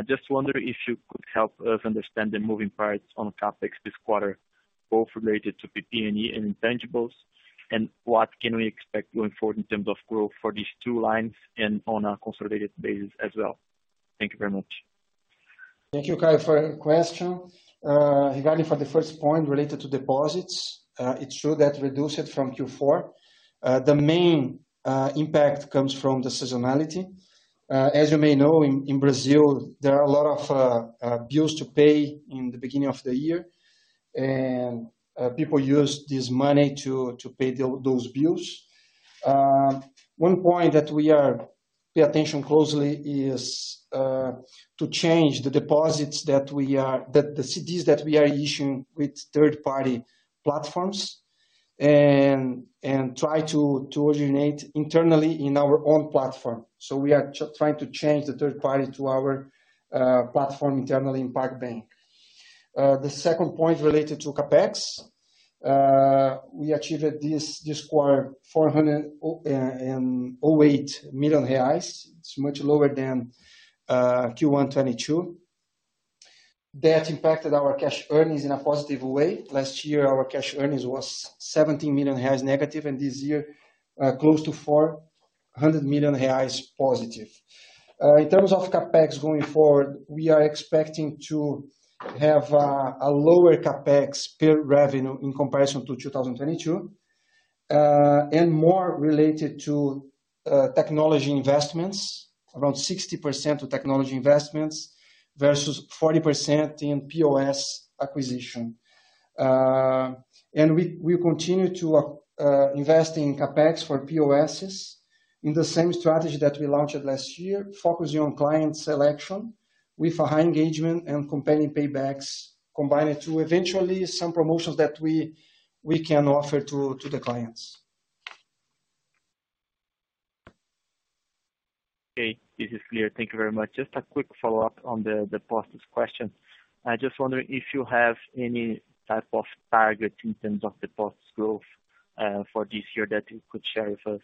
Just wondering if you could help us understand the moving parts on CapEx this quarter, both related to PP&E and intangibles, and what can we expect going forward in terms of growth for these two lines and on a consolidated basis as well? Thank you very much. Thank you, Kaio, for your question. Regarding for the first point related to deposits, it's true that reduced from Q4. The main impact comes from the seasonality. As you may know, in Brazil, there are a lot of bills to pay in the beginning of the year, and people use this money to pay those bills. One point that we are pay attention closely is to change the deposits that the CDs that we are issuing with third-party platforms and try to originate internally in our own platform. We are trying to change the third party to our platform internally in PagBank. The second point related to CapEx. We achieved this quarter 408 million reais. It's much lower than Q1 2022. That impacted our cash earnings in a positive way. Last year, our cash earnings was 17 million reais negative, and this year, close to 400 million reais positive. In terms of CapEx going forward, we are expecting to have a lower CapEx per revenue in comparison to 2022. More related to technology investments. Around 60% of technology investments versus 40% in POS acquisition. We continue to invest in CapEx for POSs in the same strategy that we launched last year, focusing on client selection with a high engagement and compelling paybacks, combined to eventually some promotions that we can offer to the clients. Okay, this is clear. Thank you very much. Just a quick follow-up on the POS question. I just wondering if you have any type of target in terms of the POS growth for this year that you could share with us?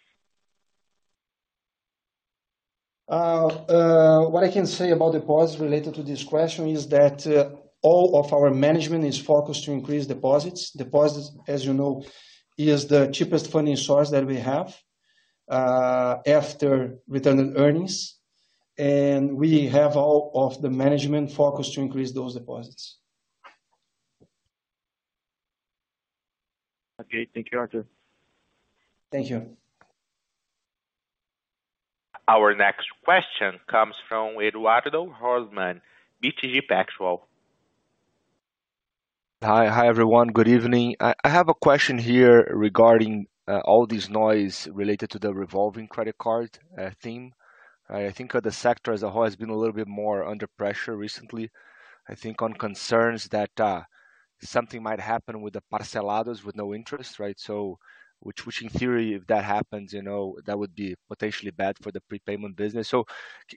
What I can say about deposits related to this question is that all of our management is focused to increase deposits. Deposits, as you know, is the cheapest funding source that we have after return on earnings, and we have all of the management focused to increase those deposits. Okay. Thank you, Artur. Thank you. Our next question comes from Eduardo Rosman, BTG Pactual. Hi. Hi, everyone. Good evening. I have a question here regarding all this noise related to the revolving credit card theme. I think the sector as a whole has been a little bit more under pressure recently, I think on concerns that something might happen with the parcelados with no interest, right? Which in theory, if that happens, you know, that would be potentially bad for the prepayment business.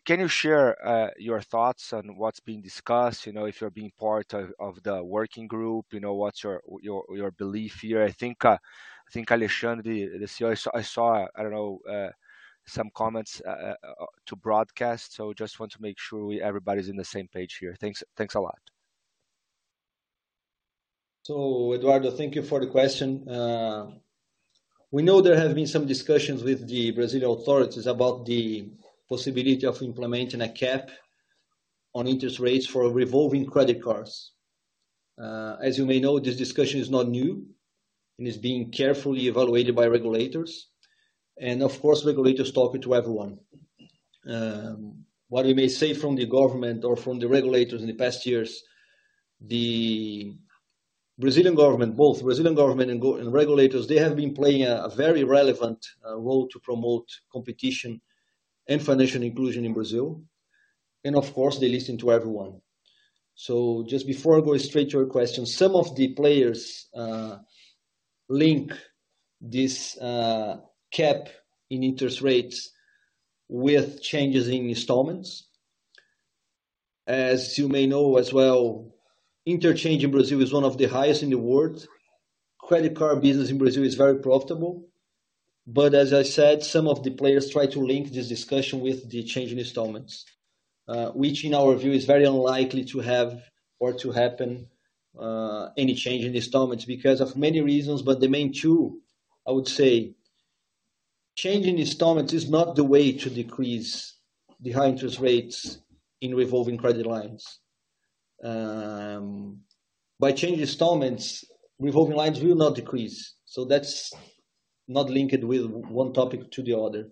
Can you share your thoughts on what's being discussed? You know, if you're being part of the working group, you know, what's your belief here? I think Alexandre, the CEO, I saw, I don't know, some comments to broadcast, just want to make sure everybody's on the same page here. Thanks. Thanks a lot. Eduardo, thank you for the question. We know there have been some discussions with the Brazilian authorities about the possibility of implementing a cap on interest rates for revolving credit cards. As you may know, this discussion is not new and is being carefully evaluated by regulators. Of course, regulators talk it to everyone. What we may say from the government or from the regulators in the past years, the Brazilian government, both Brazilian government and regulators, they have been playing a very relevant role to promote competition and financial inclusion in Brazil. Of course, they listen to everyone. Just before I go straight to your question, some of the players link this cap in interest rates with changes in installments. As you may know as well, interchange in Brazil is one of the highest in the world. Credit card business in Brazil is very profitable. As I said, some of the players try to link this discussion with the change in installments, which in our view, is very unlikely to have or to happen, any change in installments because of many reasons. The main two, I would say, changing installments is not the way to decrease the high interest rates in revolving credit lines. By changing installments, revolving lines will not decrease, so that's not linked with one topic to the other.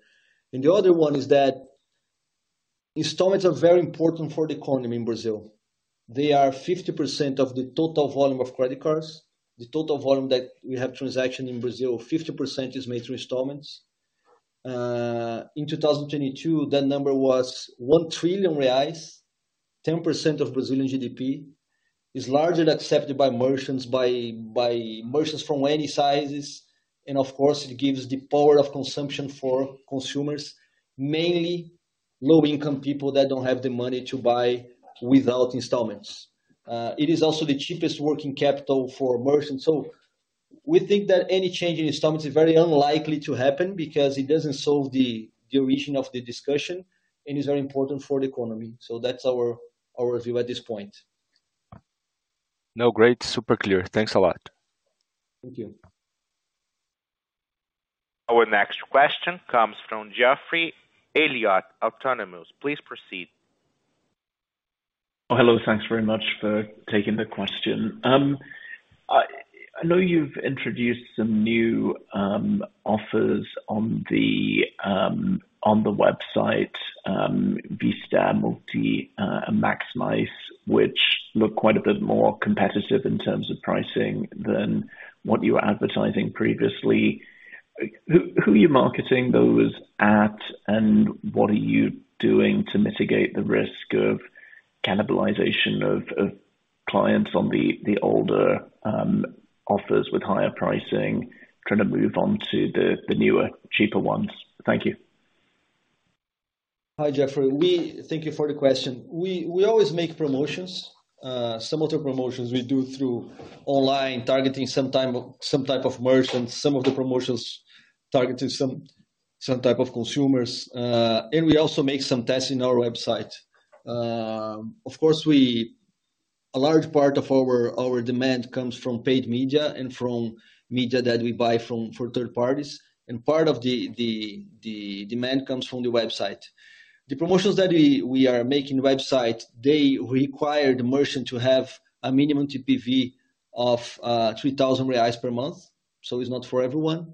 The other one is that installments are very important for the economy in Brazil. They are 50% of the total volume of credit cards. The total volume that we have transaction in Brazil, 50% is made through installments. In 2022, that number was 1 trillion reais. 10% of Brazilian GDP is largely accepted by merchants, by merchants from any sizes. Of course, it gives the power of consumption for consumers, mainly low-income people that don't have the money to buy without parcelados. It is also the cheapest working capital for merchants. We think that any change in parcelados is very unlikely to happen because it doesn't solve the origin of the discussion and is very important for the economy. That's our view at this point. No, great. Super clear. Thanks a lot. Thank you. Our next question comes from Geoffrey Elliott, Autonomous. Please proceed. Hello. Thanks very much for taking the question. I know you've introduced some new offers on the website, Vista, Multi, and Maximize, which look quite a bit more competitive in terms of pricing than what you were advertising previously. Who are you marketing those at, and what are you doing to mitigate the risk of cannibalization of clients on the older offers with higher pricing, trying to move on to the newer, cheaper ones? Thank you. Hi, Geoffrey. We thank you for the question. We always make promotions, some of the promotions we do through online, targeting some type of merchants, some of the promotions targeting some type of consumers. We also make some tests in our website. Of course, we a large part of our demand comes from paid media and from media that we buy from, for third parties, and part of the demand comes from the website. The promotions that we are making website, they require the merchant to have a minimum TPV of 3,000 reais per month, so it's not for everyone.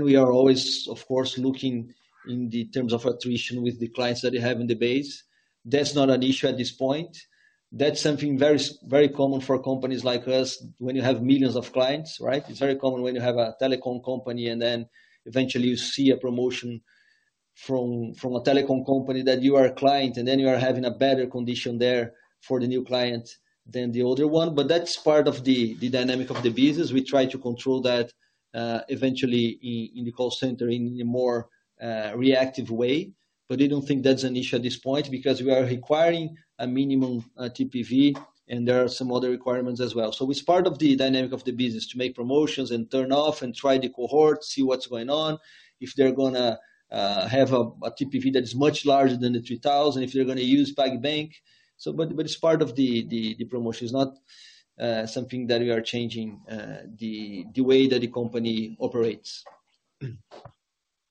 We are always, of course, looking in the terms of attrition with the clients that they have in the base. That's not an issue at this point. That's something very common for companies like us when you have millions of clients, right? It's very common when you have a telecom company, and then eventually you see a promotion from a telecom company that you are a client, and then you are having a better condition there for the new client than the older one. That's part of the dynamic of the business. We try to control that eventually in the call center in a more reactive way. I don't think that's an issue at this point, because we are requiring a minimum TPV, and there are some other requirements as well. It's part of the dynamic of the business to make promotions and turn off and try the cohort, see what's going on. If they're gonna have a TPV that is much larger than 3,000, if they're gonna use PagBank. It's part of the promotion. It's not something that we are changing the way that the company operates.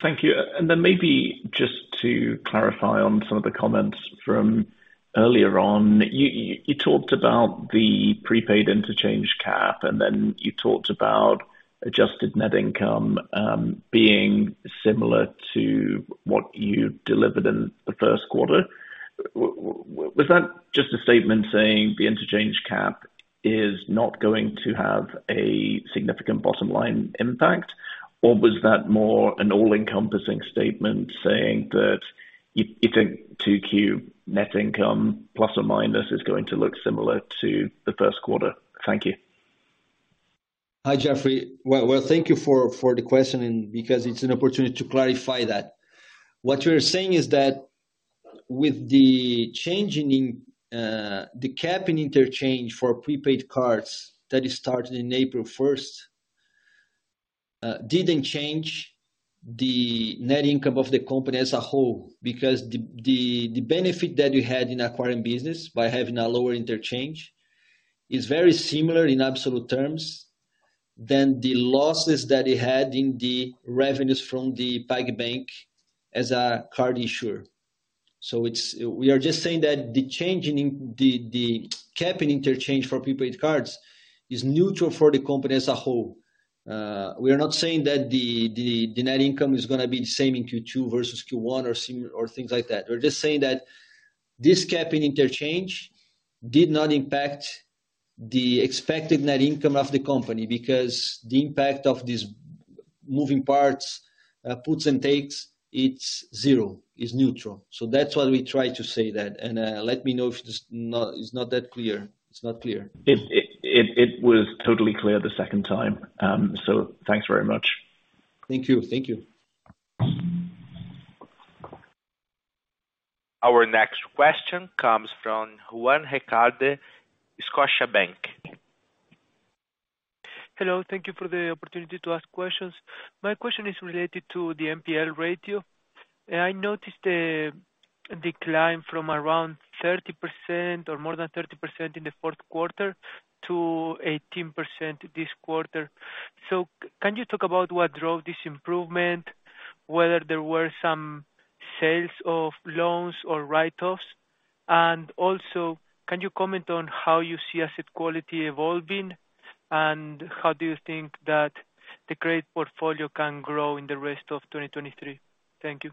Thank you. Maybe just to clarify on some of the comments from earlier on. You talked about the prepaid interchange cap, and then you talked about adjusted net income, being similar to what you delivered in the first quarter. Was that just a statement saying the interchange cap is not going to have a significant bottom line impact? Or was that more an all-encompassing statement saying that you think 2Q net income, plus or minus, is going to look similar to the first quarter? Thank you. Hi, Geoffrey. Well, thank you for the question and because it's an opportunity to clarify that. What you're saying is that with the change in the cap in interchange for prepaid cards that started in April first, didn't change the net income of the company as a whole. Because the benefit that we had in acquiring business by having a lower interchange is very similar in absolute terms than the losses that it had in the revenues from PagBank as a card issuer. We are just saying that the change in the cap in interchange for prepaid cards is neutral for the company as a whole. We are not saying that the net income is gonna be the same in Q2 versus Q1 or things like that. We're just saying that this cap in interchange did not impact the expected net income of the company, because the impact of these moving parts, puts and takes, it's zero, is neutral. That's why we try to say that. Let me know if it's not that clear. It's not clear. It was totally clear the second time. Thanks very much. Thank you. Thank you. Our next question comes from Juan Recalde, Scotiabank. Hello, thank you for the opportunity to ask questions. My question is related to the NPL ratio. I noticed a decline from around 30% or more than 30% in the fourth quarter to 18% this quarter. Can you talk about what drove this improvement, whether there were some sales of loans or write-offs? Also, can you comment on how you see asset quality evolving, and how do you think that the credit portfolio can grow in the rest of 2023? Thank you.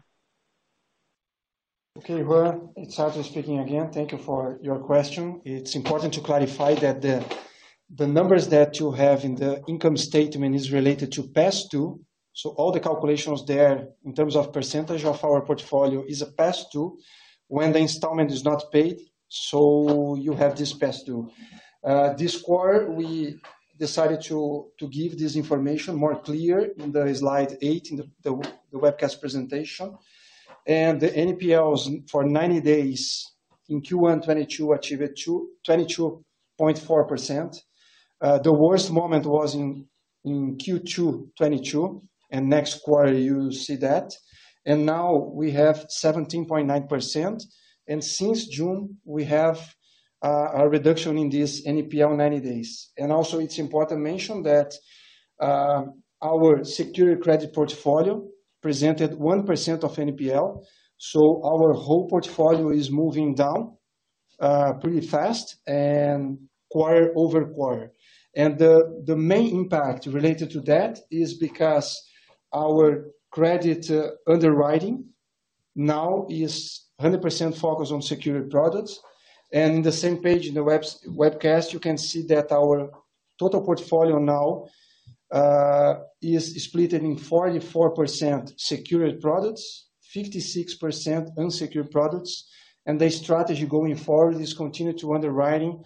Okay, Juan, it's César Leite speaking again. Thank you for your question. It's important to clarify that the numbers that you have in the income statement is related to past due. All the calculations there, in terms of percentage of our portfolio, is a past due. When the installment is not paid, you have this past due. This quarter, we decided to give this information more clear in slide eight in the webcast presentation. The NPLs for 90 days in Q1 2022 achieved 22.4%. The worst moment was in Q2 2022, next quarter you see that. Now we have 17.9%, since June, we have a reduction in this NPL 90 days. It's important to mention that our secured credit portfolio presented 1% of NPL. Our whole portfolio is moving down pretty fast and quarter-over-quarter. The main impact related to that is because our credit underwriting now is 100% focused on secured products. In the same page, in the webcast, you can see that our total portfolio now is splitted in 44% secured products, 56% unsecured products. The strategy going forward is continue to underwriting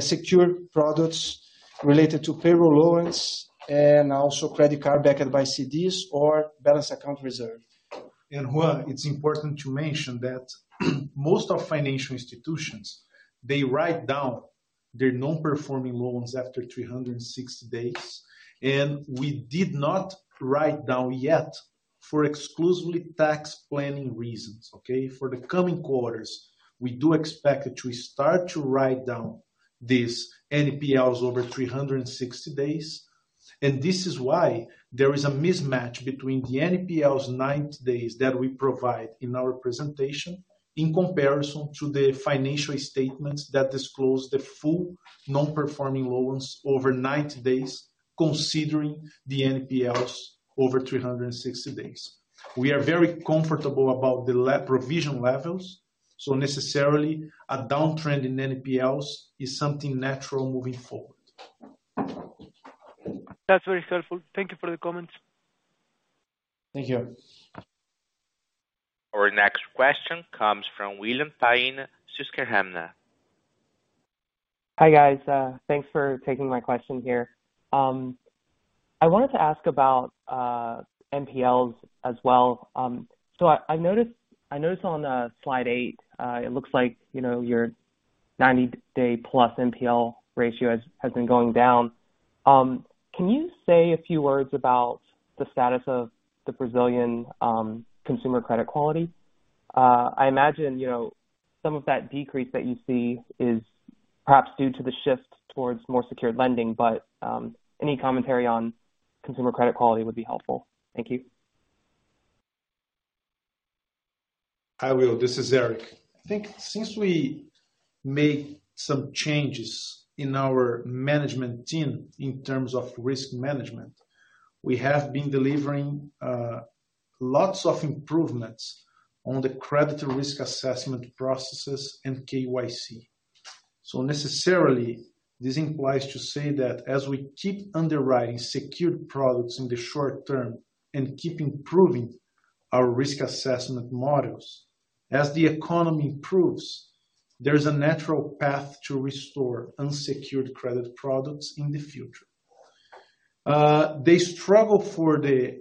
secured products related to payroll loans and also credit card backed by CDs or balance account reserve. Juan, it's important to mention that most of financial institutions, they write down their non-performing loans after 360 days, and we did not write down yet for exclusively tax planning reasons, okay. For the coming quarters, we do expect that we start to write down these NPLs over 360 days. This is why there is a mismatch between the NPLs 90 days that we provide in our presentation, in comparison to the financial statements that disclose the full non-performing loans over 90 days, considering the NPLs over 360 days. We are very comfortable about the provision levels, so necessarily a downtrend in NPLs is something natural moving forward. That's very helpful. Thank you for the comments. Thank you. Our next question comes from James Friedman, Susquehanna. Hi, guys. Thanks for taking my question here. I wanted to ask about NPLs as well. I noticed on slide eight, it looks like, you know, your 90-day-plus NPL ratio has been going down. Can you say a few words about the status of the Brazilian consumer credit quality? I imagine, you know, some of that decrease that you see is perhaps due to the shift towards more secured lending. Any commentary on consumer credit quality would be helpful. Thank you. Hi, Will, this is Éric. I think since we made some changes in our management team in terms of risk management, we have been delivering lots of improvements on the credit risk assessment processes and KYC. Necessarily, this implies to say that as we keep underwriting secured products in the short term and keep improving our risk assessment models, as the economy improves, there is a natural path to restore unsecured credit products in the future. The struggle for the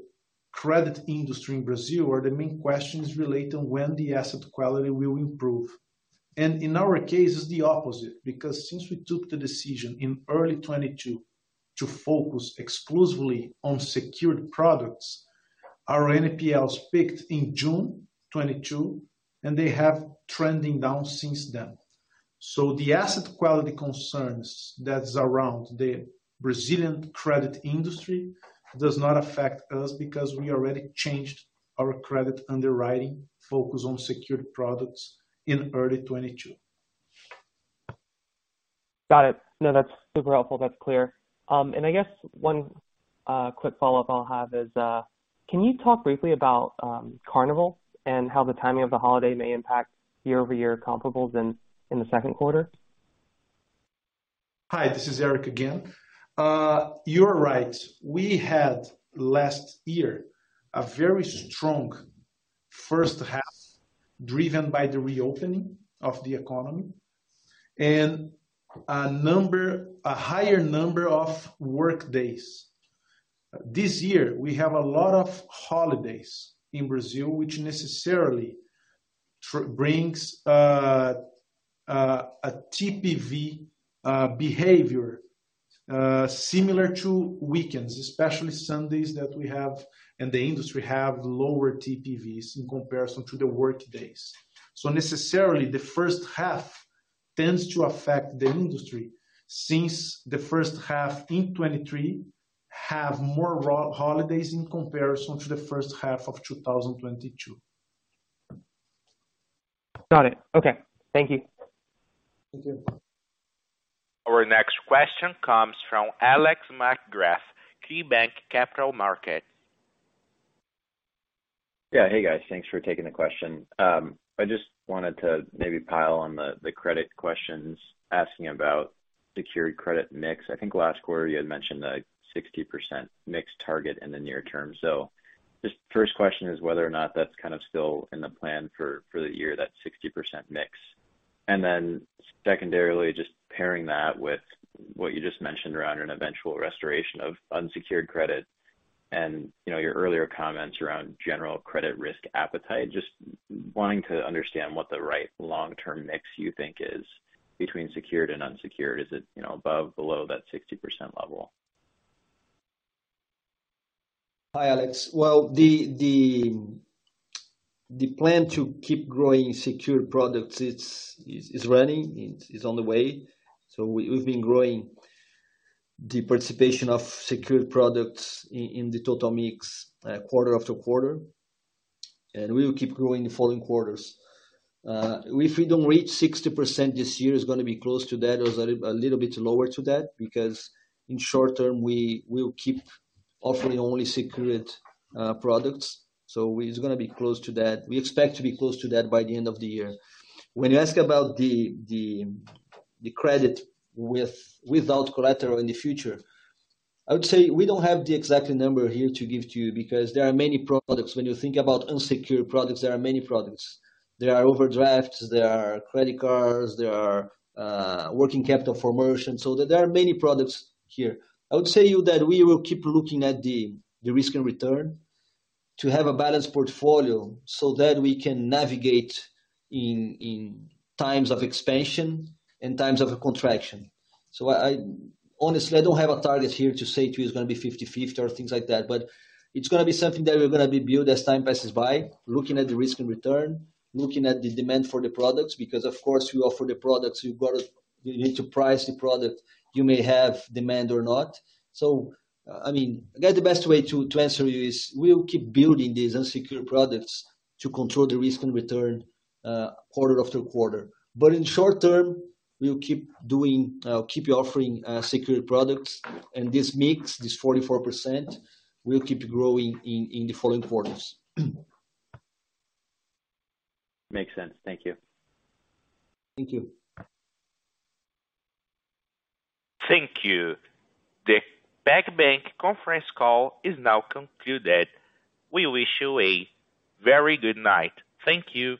credit industry in Brazil or the main question is related on when the asset quality will improve. In our case, it's the opposite, because since we took the decision in early 2022 to focus exclusively on secured products, our NPLs peaked in June 2022, and they have trending down since then. The asset quality concerns that is around the Brazilian credit industry does not affect us because we already changed our credit underwriting focus on secured products in early 2022. Got it. No, that's super helpful. That's clear. I guess one quick follow-up I'll have is, can you talk briefly about Carnival and how the timing of the holiday may impact year-over-year comparable in the second quarter? Hi, this is Éric again. You're right. We had last year, a very strong first half, driven by the reopening of the economy and a higher number of work days. This year, we have a lot of holidays in Brazil, which necessarily brings a TPV behavior similar to weekends, especially Sundays, that we have, and the industry have lower TPVs in comparison to the work days. Necessarily, the first half tends to affect the industry since the first half in 2023 have more holidays in comparison to the first half of 2022. Got it. Okay. Thank you. Thank you. Our next question comes from Alex Markgraff, KeyBanc Capital Markets. Hey, guys. Thanks for taking the question. I just wanted to maybe pile on the credit questions, asking about secured credit mix. I think last quarter you had mentioned a 60% mix target in the near term. Just first question is whether or not that's kind of still in the plan for the year, that 60% mix. Secondarily, just pairing that with what you just mentioned around an eventual restoration of unsecured credit and, you know, your earlier comments around general credit risk appetite. Just wanting to understand what the right long-term mix you think is between secured and unsecured. Is it, you know, above, below that 60% level? Hi, Alex. Well, the plan to keep growing secured products, it is running, it is on the way. We've been growing the participation of secured products in the total mix, quarter after quarter, and we will keep growing the following quarters. If we don't reach 60% this year, it's gonna be close to that or a little bit lower to that, because in short term, we will keep offering only secured products. It's gonna be close to that. We expect to be close to that by the end of the year. When you ask about the credit without collateral in the future, I would say we don't have the exact number here to give to you, because there are many products. When you think about unsecured products, there are many products. There are overdrafts, there are credit cards, there are working capital for merchant. There are many products here. I would say to you that we will keep looking at the risk and return to have a balanced portfolio, so that we can navigate in times of expansion and times of contraction. I honestly, I don't have a target here to say to you it's gonna be 50/50 or things like that, but it's gonna be something that we're gonna build as time passes by, looking at the risk and return, looking at the demand for the products, because, of course, we offer the products, you need to price the product, you may have demand or not. I mean, I guess the best way to answer you is we'll keep building these unsecured products to control the risk and return quarter after quarter. In short term, we'll keep offering secured products, and this mix, this 44%, will keep growing in the following quarters. Makes sense. Thank you. Thank you. Thank you. The PagBank conference call is now concluded. We wish you a very good night. Thank you.